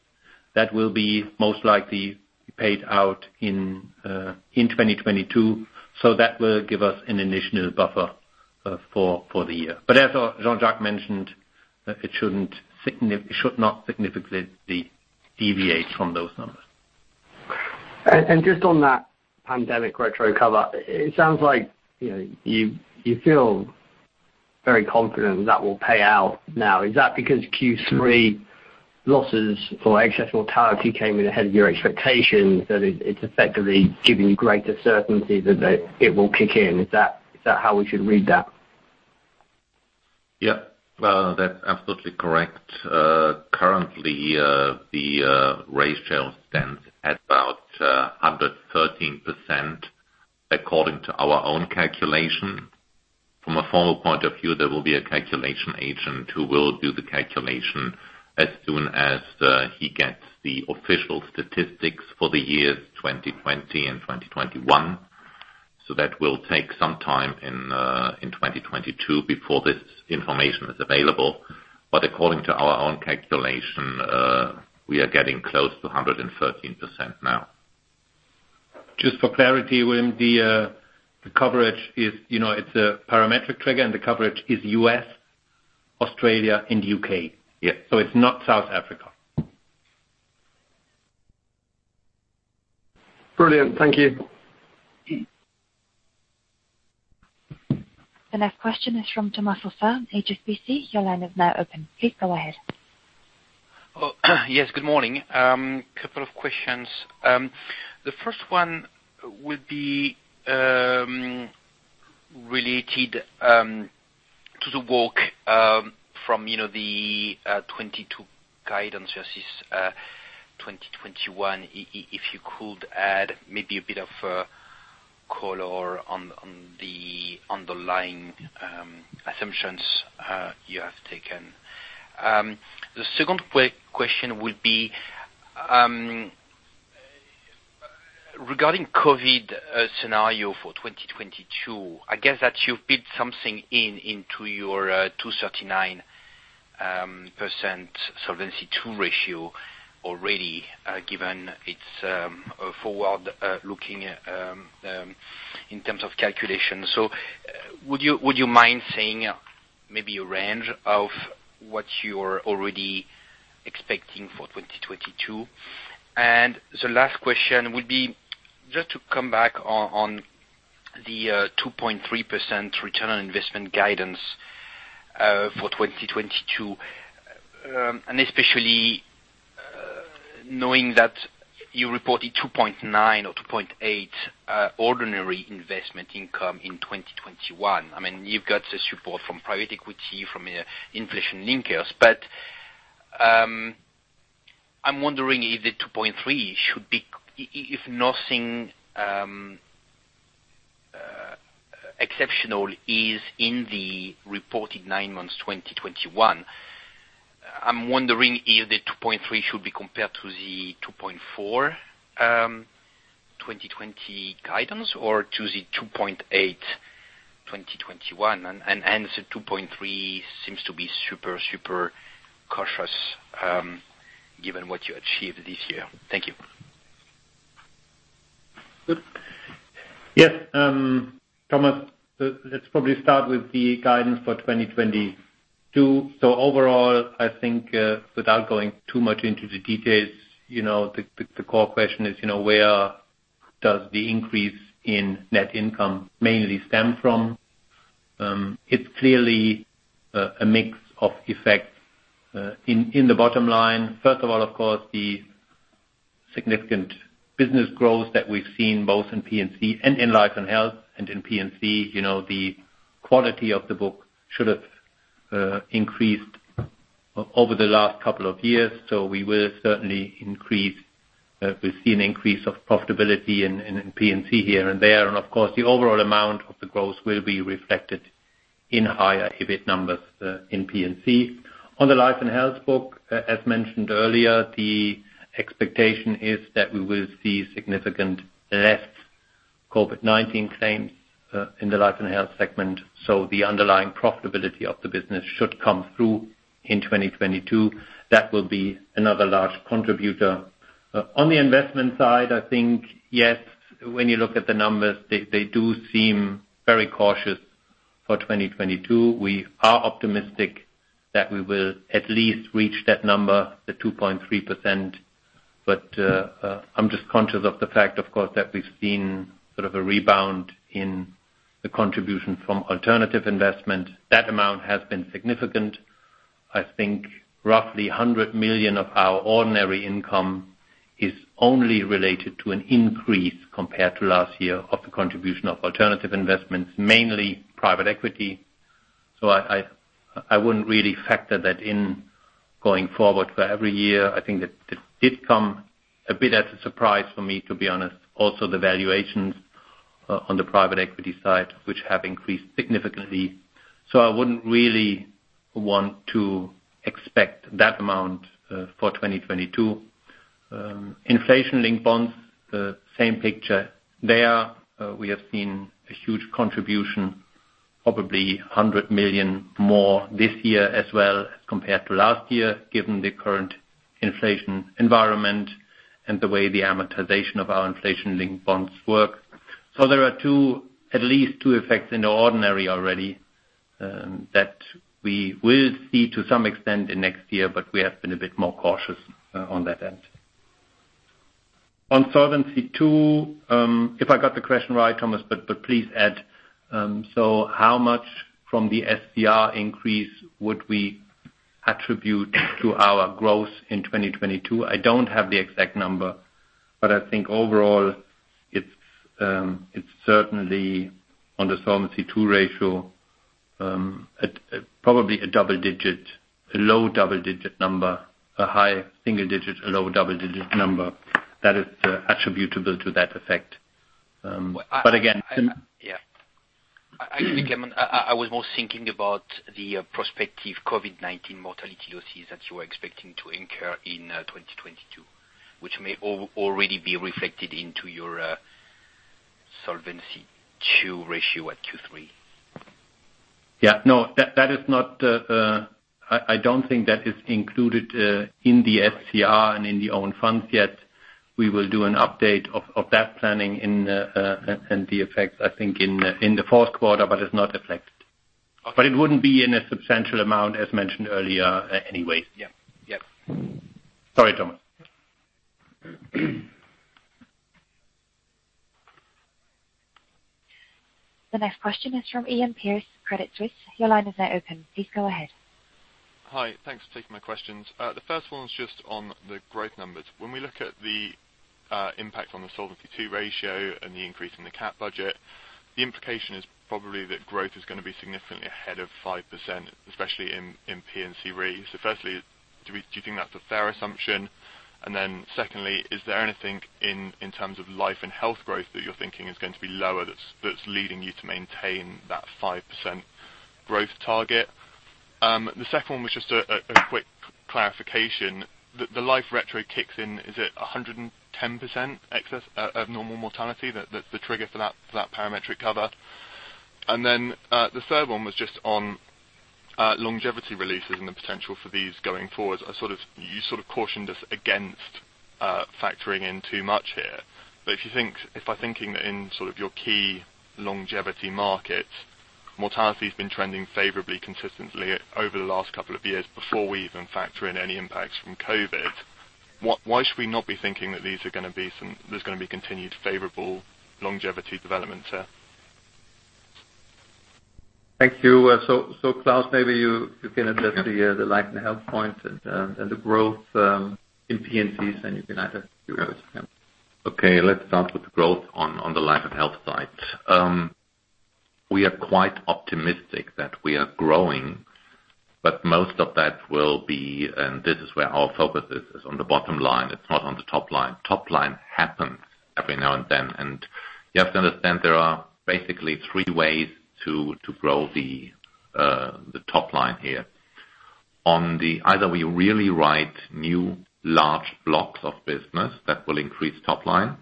That will be most likely paid out in 2022. That will give us an additional buffer for the year. As Jean-Jacques mentioned, it should not significantly deviate from those numbers. Just on that pandemic retro cover, it sounds like, you know, you feel very confident that will pay out now. Is that because Q3 losses for excess mortality came in ahead of your expectations, that it's effectively giving you greater certainty that it will kick in? Is that how we should read that? Yeah. Well, that's absolutely correct. Currently, the ratio stands at about 113% according to our own calculation. From a formal point of view, there will be a calculation agent who will do the calculation as soon as he gets the official statistics for the years 2020 and 2021. That will take some time in 2022 before this information is available. According to our own calculation, we are getting close to 113% now. Just for clarity, William, the coverage is, you know, it's a parametric trigger, and the coverage is U.S., Australia, and U.K. Yes. It's not South Africa. Brilliant. Thank you. The next question is from Thomas Fossard, HSBC. Your line is now open. Please go ahead. Oh, yes, good morning. Couple of questions. The first one would be related to the work from, you know, the 2022 guidance versus 2021. If you could add maybe a bit of a color on the underlying assumptions you have taken. The second question would be regarding COVID scenario for 2022. I guess that you've built something in into your 239% Solvency II ratio already, given its forward looking in terms of calculation. Would you mind saying maybe a range of what you're already expecting for 2022? The last question would be just to come back on the 2.3% return on investment guidance for 2022. Especially knowing that you reported 2.9% or 2.8%, ordinary investment income in 2021. I mean, you've got the support from private equity, from inflation linkers. I'm wondering if the 2.3% should be... If nothing exceptional is in the reported nine months, 2021. I'm wondering if the 2.3% should be compared to the 2.4%, 2020 guidance or to the 2.8%, 2021. Two point three seems to be super cautious, given what you achieved this year. Thank you. Yes, Thomas, let's probably start with the guidance for 2022. Overall, I think, without going too much into the details, you know, the core question is, you know, where does the increase in net income mainly stem from? It's clearly a mix of effects in the bottom line. First of all, of course, the significant business growth that we've seen both in P&C and in life and health. In P&C, you know, the quality of the book should have increased over the last couple of years. We will certainly increase. We've seen increase of profitability in P&C here and there. Of course, the overall amount of the growth will be reflected in higher EBIT numbers in P&C. On the life and health book, as mentioned earlier, the expectation is that we will see significant less COVID-19 claims in the life and health segment. The underlying profitability of the business should come through in 2022. That will be another large contributor. On the investment side, I think, yes, when you look at the numbers, they do seem very cautious for 2022. We are optimistic that we will at least reach that number, the 2.3%. I'm just conscious of the fact, of course, that we've seen sort of a rebound in the contribution from alternative investment. That amount has been significant. I think roughly 100 million of our ordinary income is only related to an increase compared to last year of the contribution of alternative investments, mainly private equity. I wouldn't really factor that in going forward for every year. I think that it did come a bit as a surprise for me, to be honest. Also the valuations on the private equity side, which have increased significantly. I wouldn't really want to expect that amount for 2022. Inflation-linked bonds, the same picture there. We have seen a huge contribution, probably 100 million more this year as well, compared to last year, given the current inflation environment and the way the amortization of our inflation-linked bonds work. There are two, at least two effects in the ordinary already that we will see to some extent in next year, but we have been a bit more cautious on that end. On Solvency II, if I got the question right, Thomas, but please add. How much from the SCR increase would we attribute to our growth in 2022? I don't have the exact number, but I think overall it's certainly on the Solvency II ratio, at probably a double digit, a low double-digit number. A high single digit, a low double-digit number that is attributable to that effect. But again. Yeah, I think I was more thinking about the prospective COVID-19 mortality losses that you are expecting to incur in 2022, which may already be reflected into your Solvency II ratio at 230. Yeah, no, I don't think that is included in the SCR and in the own funds yet. We will do an update of that planning and the effects, I think, in the fourth quarter, but it's not reflected. Okay. It wouldn't be in a substantial amount, as mentioned earlier, anyway. Yeah. Yep. Sorry, Thomas. The next question is from Iain Pearce, Credit Suisse. Your line is now open. Please go ahead. Hi. Thanks for taking my questions. The first one is just on the growth numbers. When we look at the impact on the Solvency II ratio and the increase in the CAT budget, the implication is probably that growth is gonna be significantly ahead of 5%, especially in P&C Re. Firstly, do you think that's a fair assumption? Secondly, is there anything in terms of life and health growth that you're thinking is going to be lower that's leading you to maintain that 5% growth target? The second one was just a quick clarification. The life retro kicks in, is it 110% excess of normal mortality that's the trigger for that parametric cover? The third one was just on longevity releases and the potential for these going forward. You sort of cautioned us against factoring in too much here. If you think, if by thinking that in sort of your key longevity markets, mortality has been trending favorably consistently over the last couple of years before we even factor in any impacts from COVID, why should we not be thinking that there's gonna be continued favorable longevity development here? Thank you. Klaus, maybe you can address the Life and Health point and the growth in P&Cs, and you can either do this. Yeah. Okay, let's start with the growth on the life and health side. We are quite optimistic that we are growing, but most of that will be, and this is where our focus is, on the bottom line. It's not on the top line. Top line happens every now and then. You have to understand there are basically three ways to grow the top line here. Either we really write new large blocks of business that will increase top line,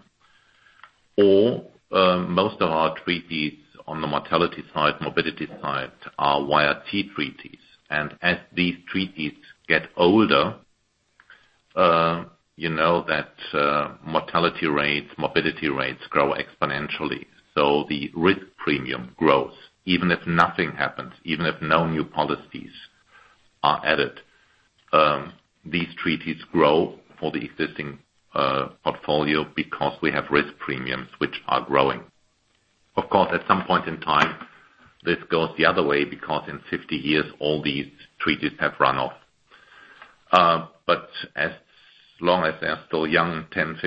or most of our treaties on the mortality side, morbidity side are YRT treaties. As these treaties get older, you know that mortality rates, morbidity rates grow exponentially. So the risk premium grows even if nothing happens, even if no new policies are added. These treaties grow for the existing portfolio because we have risk premiums, which are growing. Of course, at some point in time, this goes the other way, because in 50 years, all these treaties have run off. But as long as they are still young, 10years,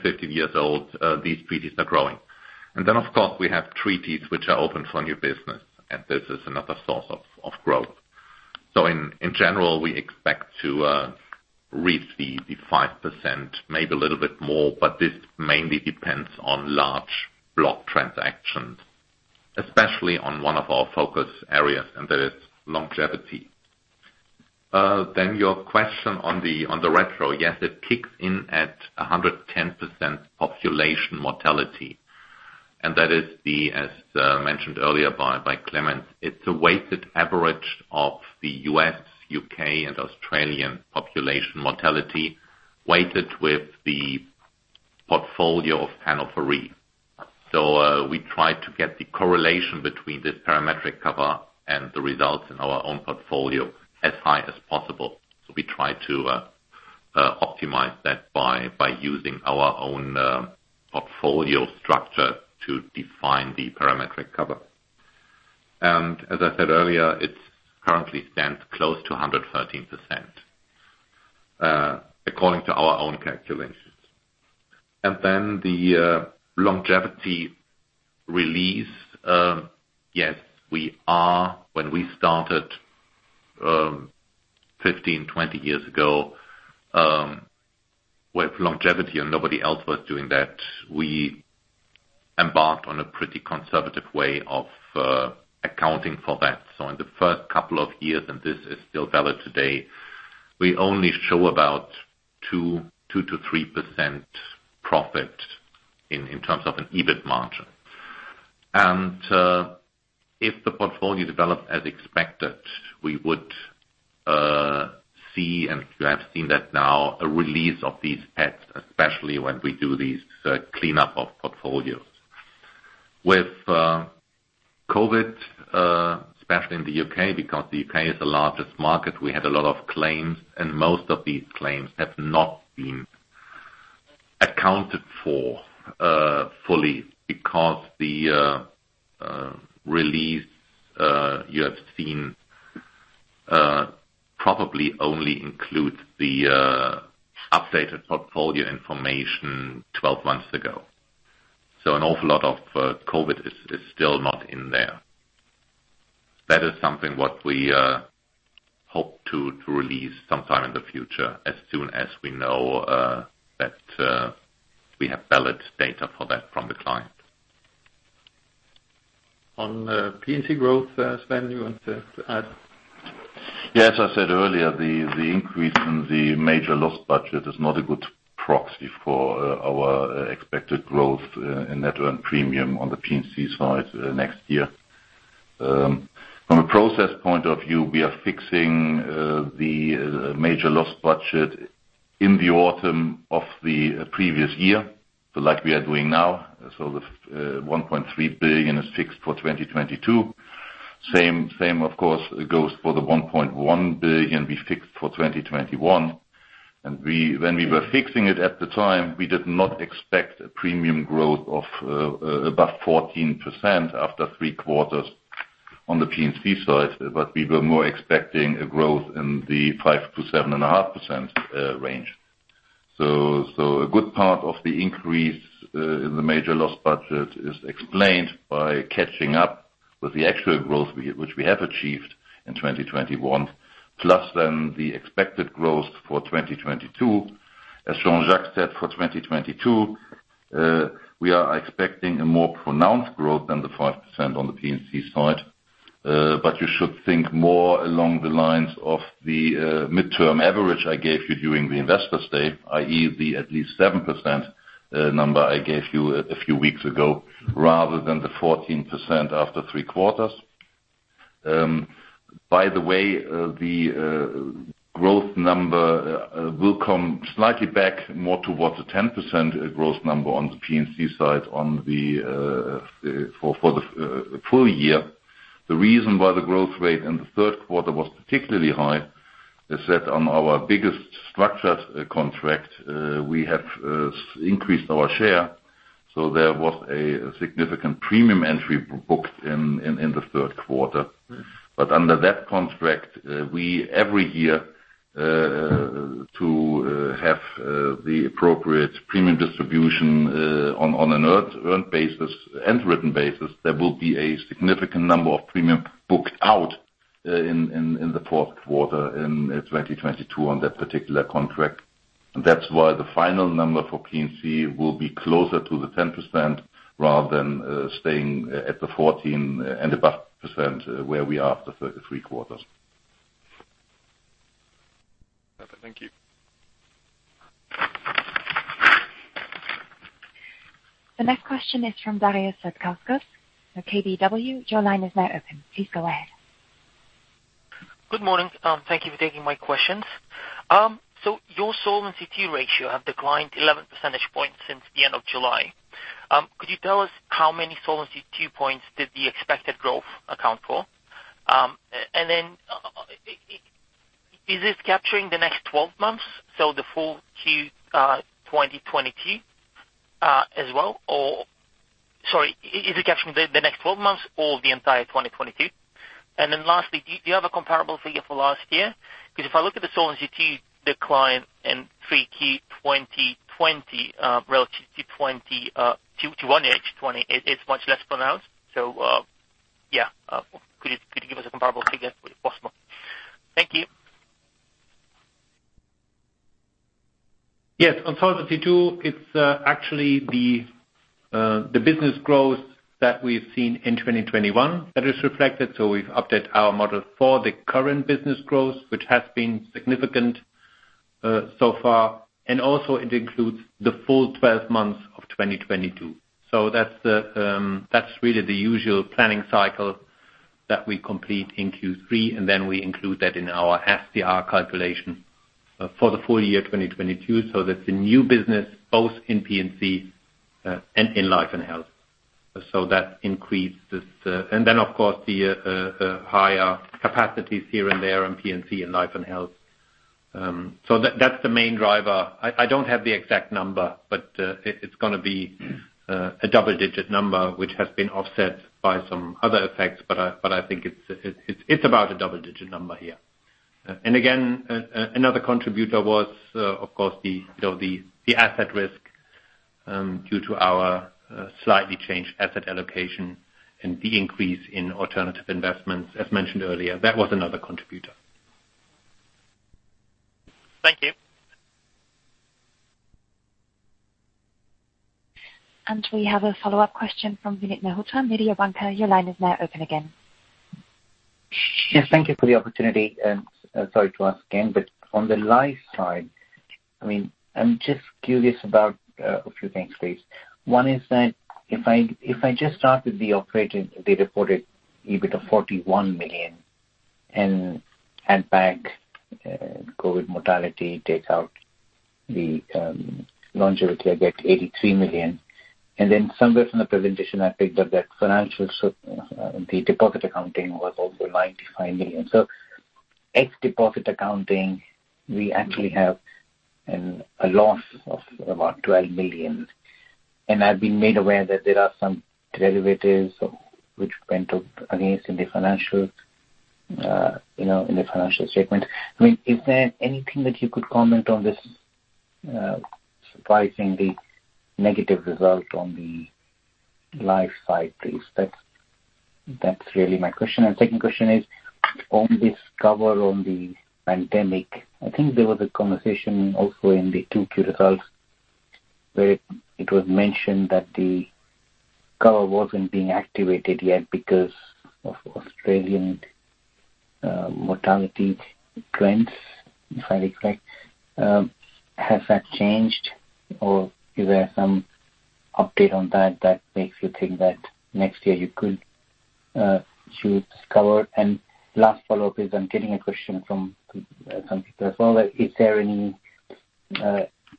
15 years old, these treaties are growing. Then, of course, we have treaties which are open for new business, and this is another source of growth. In general, we expect to reach the 5%, maybe a little bit more, but this mainly depends on large block transactions, especially on one of our focus areas, and that is longevity. Your question on the retro, yes, it kicks in at 110% population mortality. That is, as mentioned earlier by Clemens, it's a weighted average of the U.S., U.K., and Australian population mortality weighted with the portfolio of Hannover Re. We try to get the correlation between this parametric cover and the results in our own portfolio as high as possible. We try to optimize that by using our own portfolio structure to define the parametric cover. As I said earlier, it currently stands close to 113%, according to our own calculations. Then the longevity release, yes, we are. When we started 15 years-20 years ago with longevity and nobody else was doing that, we embarked on a pretty conservative way of accounting for that. In the first couple of years, and this is still valid today, we only show about 2%-3% profit in terms of an EBIT margin. If the portfolio developed as expected, we would see, and you have seen that now, a release of these pads, especially when we do these cleanup of portfolios. With COVID, especially in the U.K., because the U.K. is the largest market, we had a lot of claims, and most of these claims have not been accounted for fully because the release you have seen probably only includes the updated portfolio information 12 months ago. An awful lot of COVID is still not in there. That is something what we hope to release sometime in the future as soon as we know that we have valid data for that from the client. On P&C growth, Sven, you want to add? Yes, as I said earlier, the increase in the major loss budget is not a good proxy for our expected growth in net earned premium on the P&C side next year. From a process point of view, we are fixing the major loss budget in the autumn of the previous year, like we are doing now. So the 1.3 billion is fixed for 2022. Same, of course, goes for the 1.1 billion we fixed for 2021. We were fixing it at the time, we did not expect a premium growth of about 14% after three quarters on the P&C side. We were more expecting a growth in the 5%-7.5% range. A good part of the increase in the major loss budget is explained by catching up with the actual growth which we have achieved in 2021, plus then the expected growth for 2022. As Jean-Jacques said, for 2022, we are expecting a more pronounced growth than the 5% on the P&C side. You should think more along the lines of the midterm average I gave you during the Investors' Day, i.e., the at least 7% number I gave you a few weeks ago, rather than the 14% after three quarters. By the way, the growth number will come slightly back more towards the 10% growth number on the P&C side for the full year. The reason why the growth rate in the third quarter was particularly high is that on our biggest structured contract, we have increased our share, so there was a significant premium entry booked in the third quarter. Under that contract, we every year to have the appropriate premium distribution on an earned basis and written basis, there will be a significant number of premium booked out in the fourth quarter in 2022 on that particular contract. That's why the final number for P&C will be closer to the 10% rather than staying at the 14% and above where we are after 33 quarters. Perfect. Thank you. The next question is from Darius Satkauskas of KBW. Your line is now open. Please go ahead. Good morning. Thank you for taking my questions. Your Solvency II ratio have declined 11 percentage points since the end of July. Could you tell us how many Solvency II points did the expected growth account for? Is this capturing the next 12 months, so the full Q 2022 as well, or. Is it capturing the next 12 months or the entire 2022? Lastly, do you have a comparable figure for last year? Because if I look at the Solvency II decline in 3Q 2020 relative to 1H 2020, it is much less pronounced. Yeah. Could you give us a comparable figure if possible? Thank you. Yes. On Solvency II, it's actually the business growth that we've seen in 2021 that is reflected, so we've updated our model for the current business growth, which has been significant so far. Also it includes the full 12 months of 2022. That's really the usual planning cycle that we complete in Q3, and then we include that in our SCR calculation for the full year 2022. That's the new business, both in P&C and in life and health. That increased this. Then, of course, the higher capacities here and there in P&C and life and health. That's the main driver. I don't have the exact number, but it's gonna be a double-digit number which has been offset by some other effects. I think it's about a double-digit number here. And again, another contributor was, of course, you know, the asset risk due to our slightly changed asset allocation and the increase in alternative investments as mentioned earlier. That was another contributor. Thank you. We have a follow-up question from Vinit Malhotra, Mediobanca. Your line is now open again. Yes, thank you for the opportunity. Sorry to ask again, but on the life side, I mean, I'm just curious about a few things, please. One is that if I just started the operating, they reported EBIT of 41 million. Add back COVID mortality, take out the longevity, I get 83 million. Then somewhere from the presentation, I picked up that financial solutions, the deposit accounting was over 95 million. Ex deposit accounting, we actually have a loss of about 12 million. I've been made aware that there are some derivatives which went up against in the financial, you know, in the financial statement. I mean, is there anything that you could comment on this surprisingly negative result on the life side, please? That's really my question. Second question is, on this cover on the pandemic, I think there was a conversation also in the 2Q results, where it was mentioned that the cover wasn't being activated yet because of Australian mortality trends, if I recall it. Has that changed or is there some update on that that makes you think that next year you could choose cover? Last follow-up is I'm getting a question from some people as well. Is there any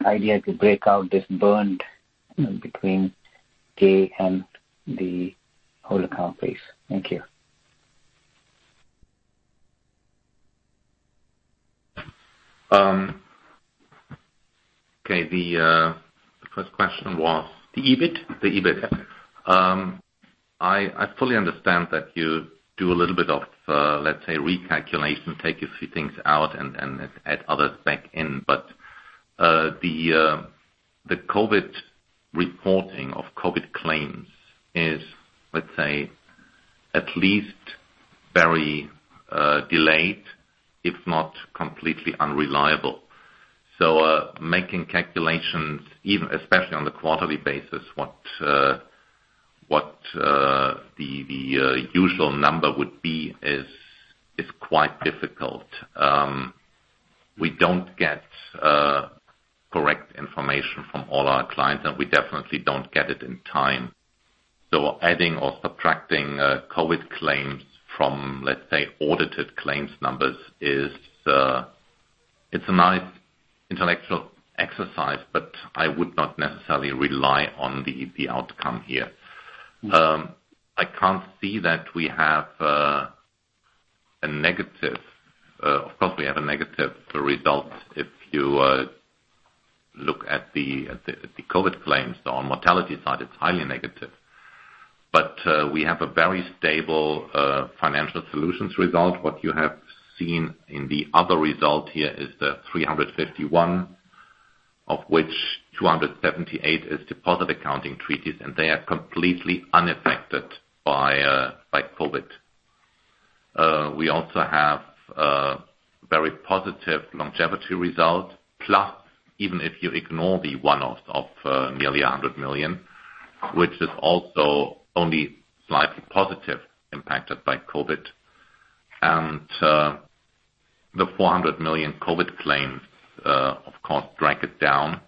idea to break out this bond between K and the whole account, please? Thank you. Okay. The first question was. The EBIT. The EBIT. I fully understand that you do a little bit of, let's say, recalculation, take a few things out and add others back in. The COVID reporting of COVID claims is, let's say, at least very delayed, if not completely unreliable. Making calculations, even especially on the quarterly basis, what the usual number would be is quite difficult. We don't get correct information from all our clients, and we definitely don't get it in time. Adding or subtracting COVID claims from, let's say, audited claims numbers is a nice intellectual exercise, but I would not necessarily rely on the outcome here. I can't see that we have a negative. Of course, we have a negative result if you look at the COVID claims. On mortality side, it's highly negative. We have a very stable financial solutions result. What you have seen in the other result here is the 351, of which 278 is deposit accounting treaties, and they are completely unaffected by COVID. We also have very positive longevity result. Plus, even if you ignore the one-off of nearly 100 million, which is also only slightly positive impacted by COVID. The 400 million COVID claims, of course, drag it down.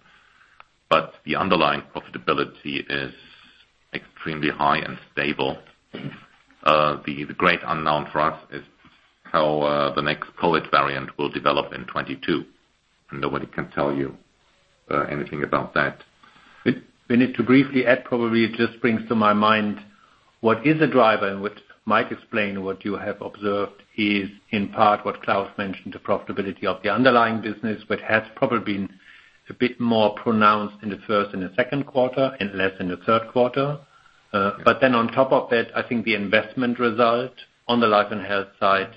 The underlying profitability is extremely high and stable. The great unknown for us is how the next COVID variant will develop in 2022. Nobody can tell you anything about that. We need to briefly add, probably. It just brings to my mind what is a driver and what might explain what you have observed is, in part, what Klaus mentioned, the profitability of the underlying business, but has probably been a bit more pronounced in the first and second quarter and less in the third quarter. On top of it, I think the investment result on the life and health side is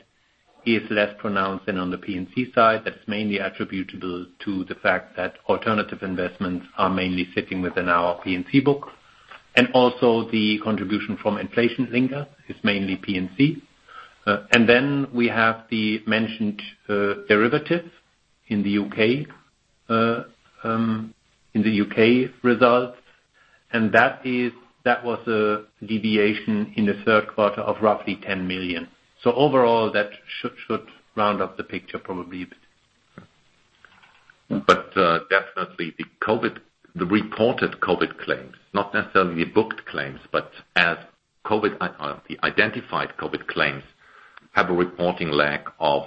less pronounced than on the P&C side. That's mainly attributable to the fact that alternative investments are mainly sitting within our P&C book. Also the contribution from inflation linkers is mainly P&C. We have the mentioned derivatives in the U.K., in the U.K. results. That was a deviation in the third quarter of roughly 10 million. Overall, that should round up the picture probably a bit. Definitely the COVID, the reported COVID claims, not necessarily booked claims, but as COVID, the identified COVID claims have a reporting lag of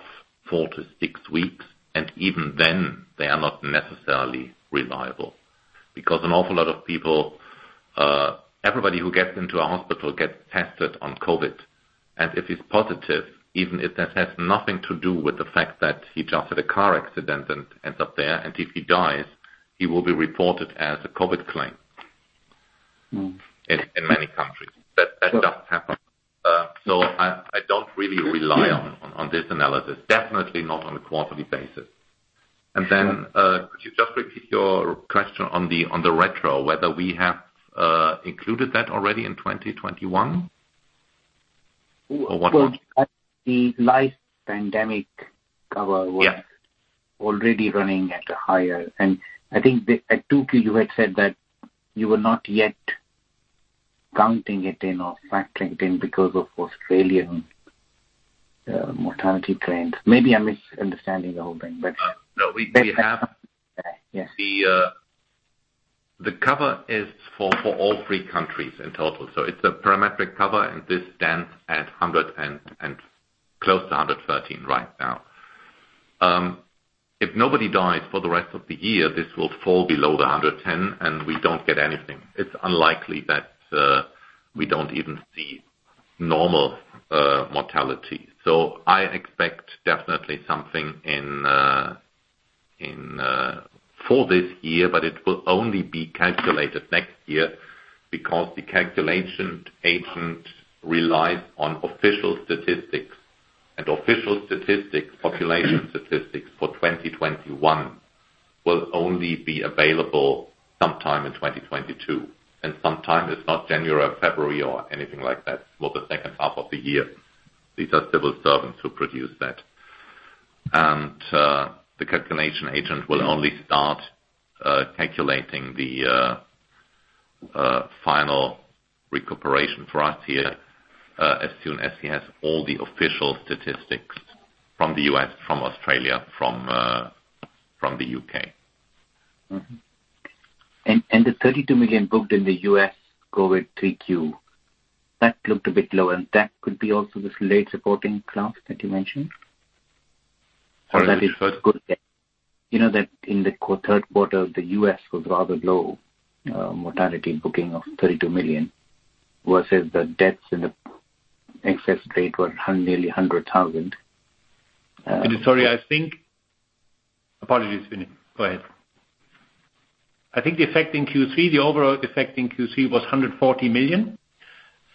four-six weeks, and even then, they are not necessarily reliable. Because an awful lot of people, everybody who gets into a hospital gets tested on COVID. If he's positive, even if that has nothing to do with the fact that he just had a car accident and ends up there, and if he dies, he will be reported as a COVID claim. Mm. In many countries. That does happen. So I don't really rely on this analysis. Definitely not on a quarterly basis. Then, could you just repeat your question on the retro, whether we have included that already in 2021? Or what? The life pandemic cover was. Yeah. already running at a higher. I think at 2Q, you had said that you were not yet counting it in or factoring it in because of Australian mortality trends. Maybe I'm misunderstanding the whole thing, but No, we have- Yes. The cover is for all three countries in total. It's a parametric cover, and this stands at 100 and close to 113 right now. If nobody dies for the rest of the year, this will fall below 110, and we don't get anything. It's unlikely that we don't even see normal mortality. I expect definitely something in for this year, but it will only be calculated next year because the calculation agent relies on official statistics. Official statistics, population statistics for 2021 will only be available sometime in 2022. Sometime is not January or February or anything like that, more the second half of the year. These are civil servants who produce that. The calculation agent will only start calculating the final recuperation for us here as soon as he has all the official statistics from the U.S., from Australia, from the U.K. The $32 million booked in the U.S. COVID Q3, that looked a bit low, and that could be also this latency supporting claims that you mentioned. Sorry, what? You know that in the third quarter, the U.S. was rather low mortality booking of $32 million versus the deaths in the excess rate were nearly 100,000. Apologies, Vinit. Go ahead. I think the effect in Q3, the overall effect in Q3 was 140 million,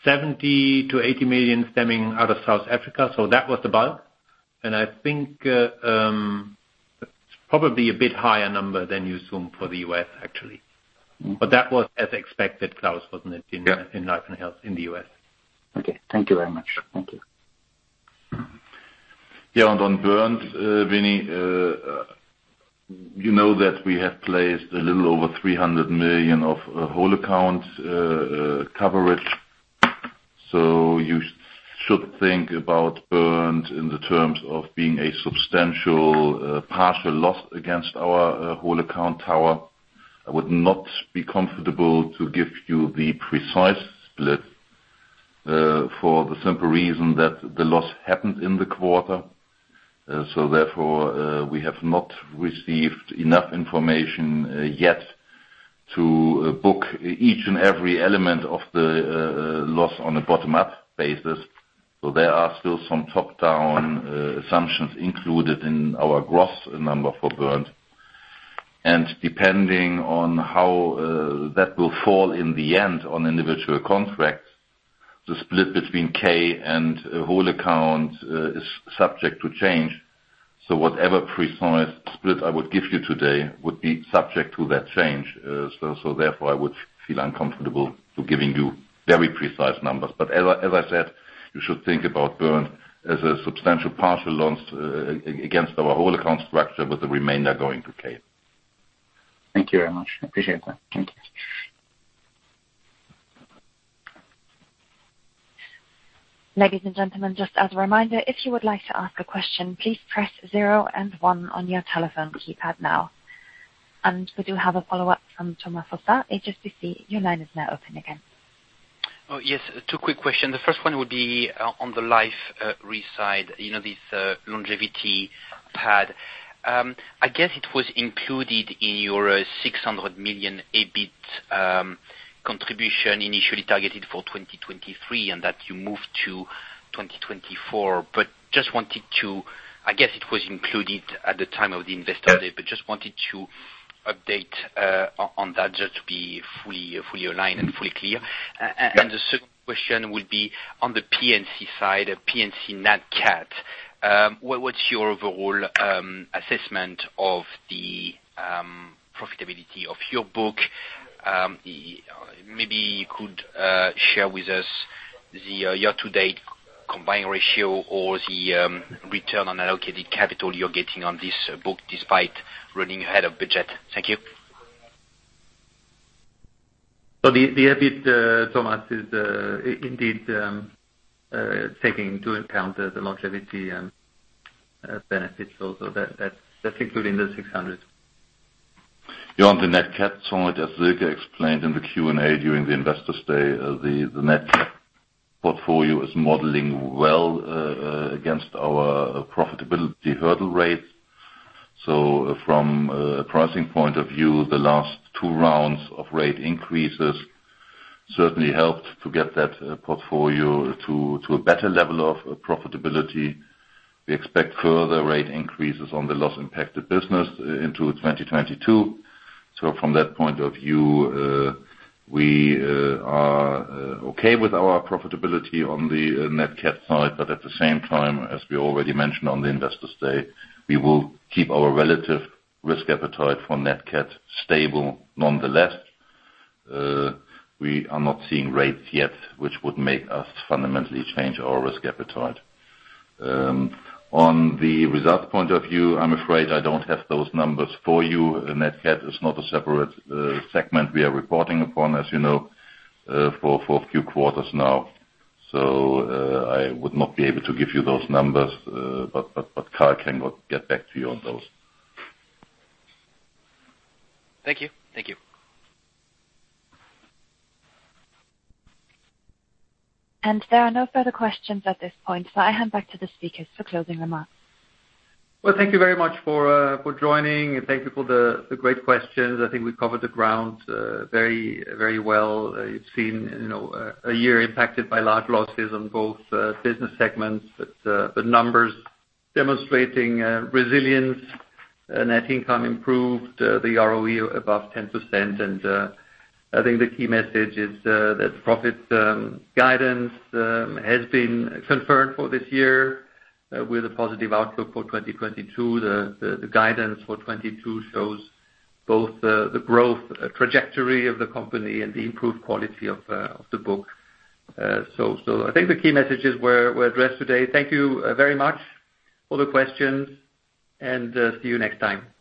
70 million-80 million stemming out of South Africa. That was the bulk. I think probably a bit higher number than you assume for the U.S., actually. Mm. That was as expected, Klaus, wasn't it? Yeah. In life and health in the U.S. Okay. Thank you very much. Thank you. Yeah, on Bernd, Vinit, you know that we have placed a little over 300 million of whole account coverage. You should think about Bernd in the terms of being a substantial partial loss against our whole account tower. I would not be comfortable to give you the precise split for the simple reason that the loss happened in the quarter. Therefore, we have not received enough information yet to book each and every element of the loss on a bottom-up basis. There are still some top-down assumptions included in our gross number for Bernd. Depending on how that will fall in the end on individual contracts, the split between K and whole account is subject to change. Whatever precise split I would give you today would be subject to that change. Therefore, I would feel uncomfortable to giving you very precise numbers. As I said, you should think about Bernd as a substantial partial loss against our whole account structure with the remainder going to K. Thank you very much. Appreciate that. Thank you. Ladies and gentlemen, just as a reminder, if you would like to ask a question, please press 0 and 1 on your telephone keypad now. We do have a follow-up from Thomas Fossard, HSBC. Your line is now open again. Oh, yes. Two quick questions. The first one would be on the life re side. You know, this longevity pad. I guess it was included in your 600 million EBIT contribution initially targeted for 2023 and that you moved to 2024. But just wanted to I guess it was included at the time of the Investors' Day, but just wanted to update on that just to be fully aligned and fully clear. And the second question would be on the P&C side, P&C nat cat. What's your overall assessment of the profitability of your book? Maybe you could share with us the year-to-date combined ratio or the return on allocated capital you're getting on this book despite running ahead of budget. Thank you. The EBIT, Thomas, is indeed taking into account the longevity benefits also. That's included in those EUR 600. Yeah. On the nat cat side, as Silke explained in the Q&A during the Investors' Day, the nat cat portfolio is modeling well against our profitability hurdle rate. From a pricing point of view, the last two rounds of rate increases certainly helped to get that portfolio to a better level of profitability. We expect further rate increases on the loss impacted business into 2022. From that point of view, we are okay with our profitability on the nat cat side. At the same time, as we already mentioned on the Investors' Day, we will keep our relative risk appetite for nat cat stable nonetheless. We are not seeing rates yet, which would make us fundamentally change our risk appetite. On the results point of view, I'm afraid I don't have those numbers for you. Nat cat is not a separate segment we are reporting upon, as you know, for a few quarters now. I would not be able to give you those numbers. But Karl can get back to you on those. Thank you. Thank you. There are no further questions at this point, so I hand back to the speakers for closing remarks. Well, thank you very much for joining, and thank you for the great questions. I think we covered the ground very, very well. You've seen, you know, a year impacted by large losses on both business segments, but the numbers demonstrating resilience. Net income improved the ROE above 10%. I think the key message is that profit guidance has been confirmed for this year with a positive outlook for 2022. The guidance for 2022 shows both the growth trajectory of the company and the improved quality of the book. I think the key messages were addressed today. Thank you very much for the questions and see you next time.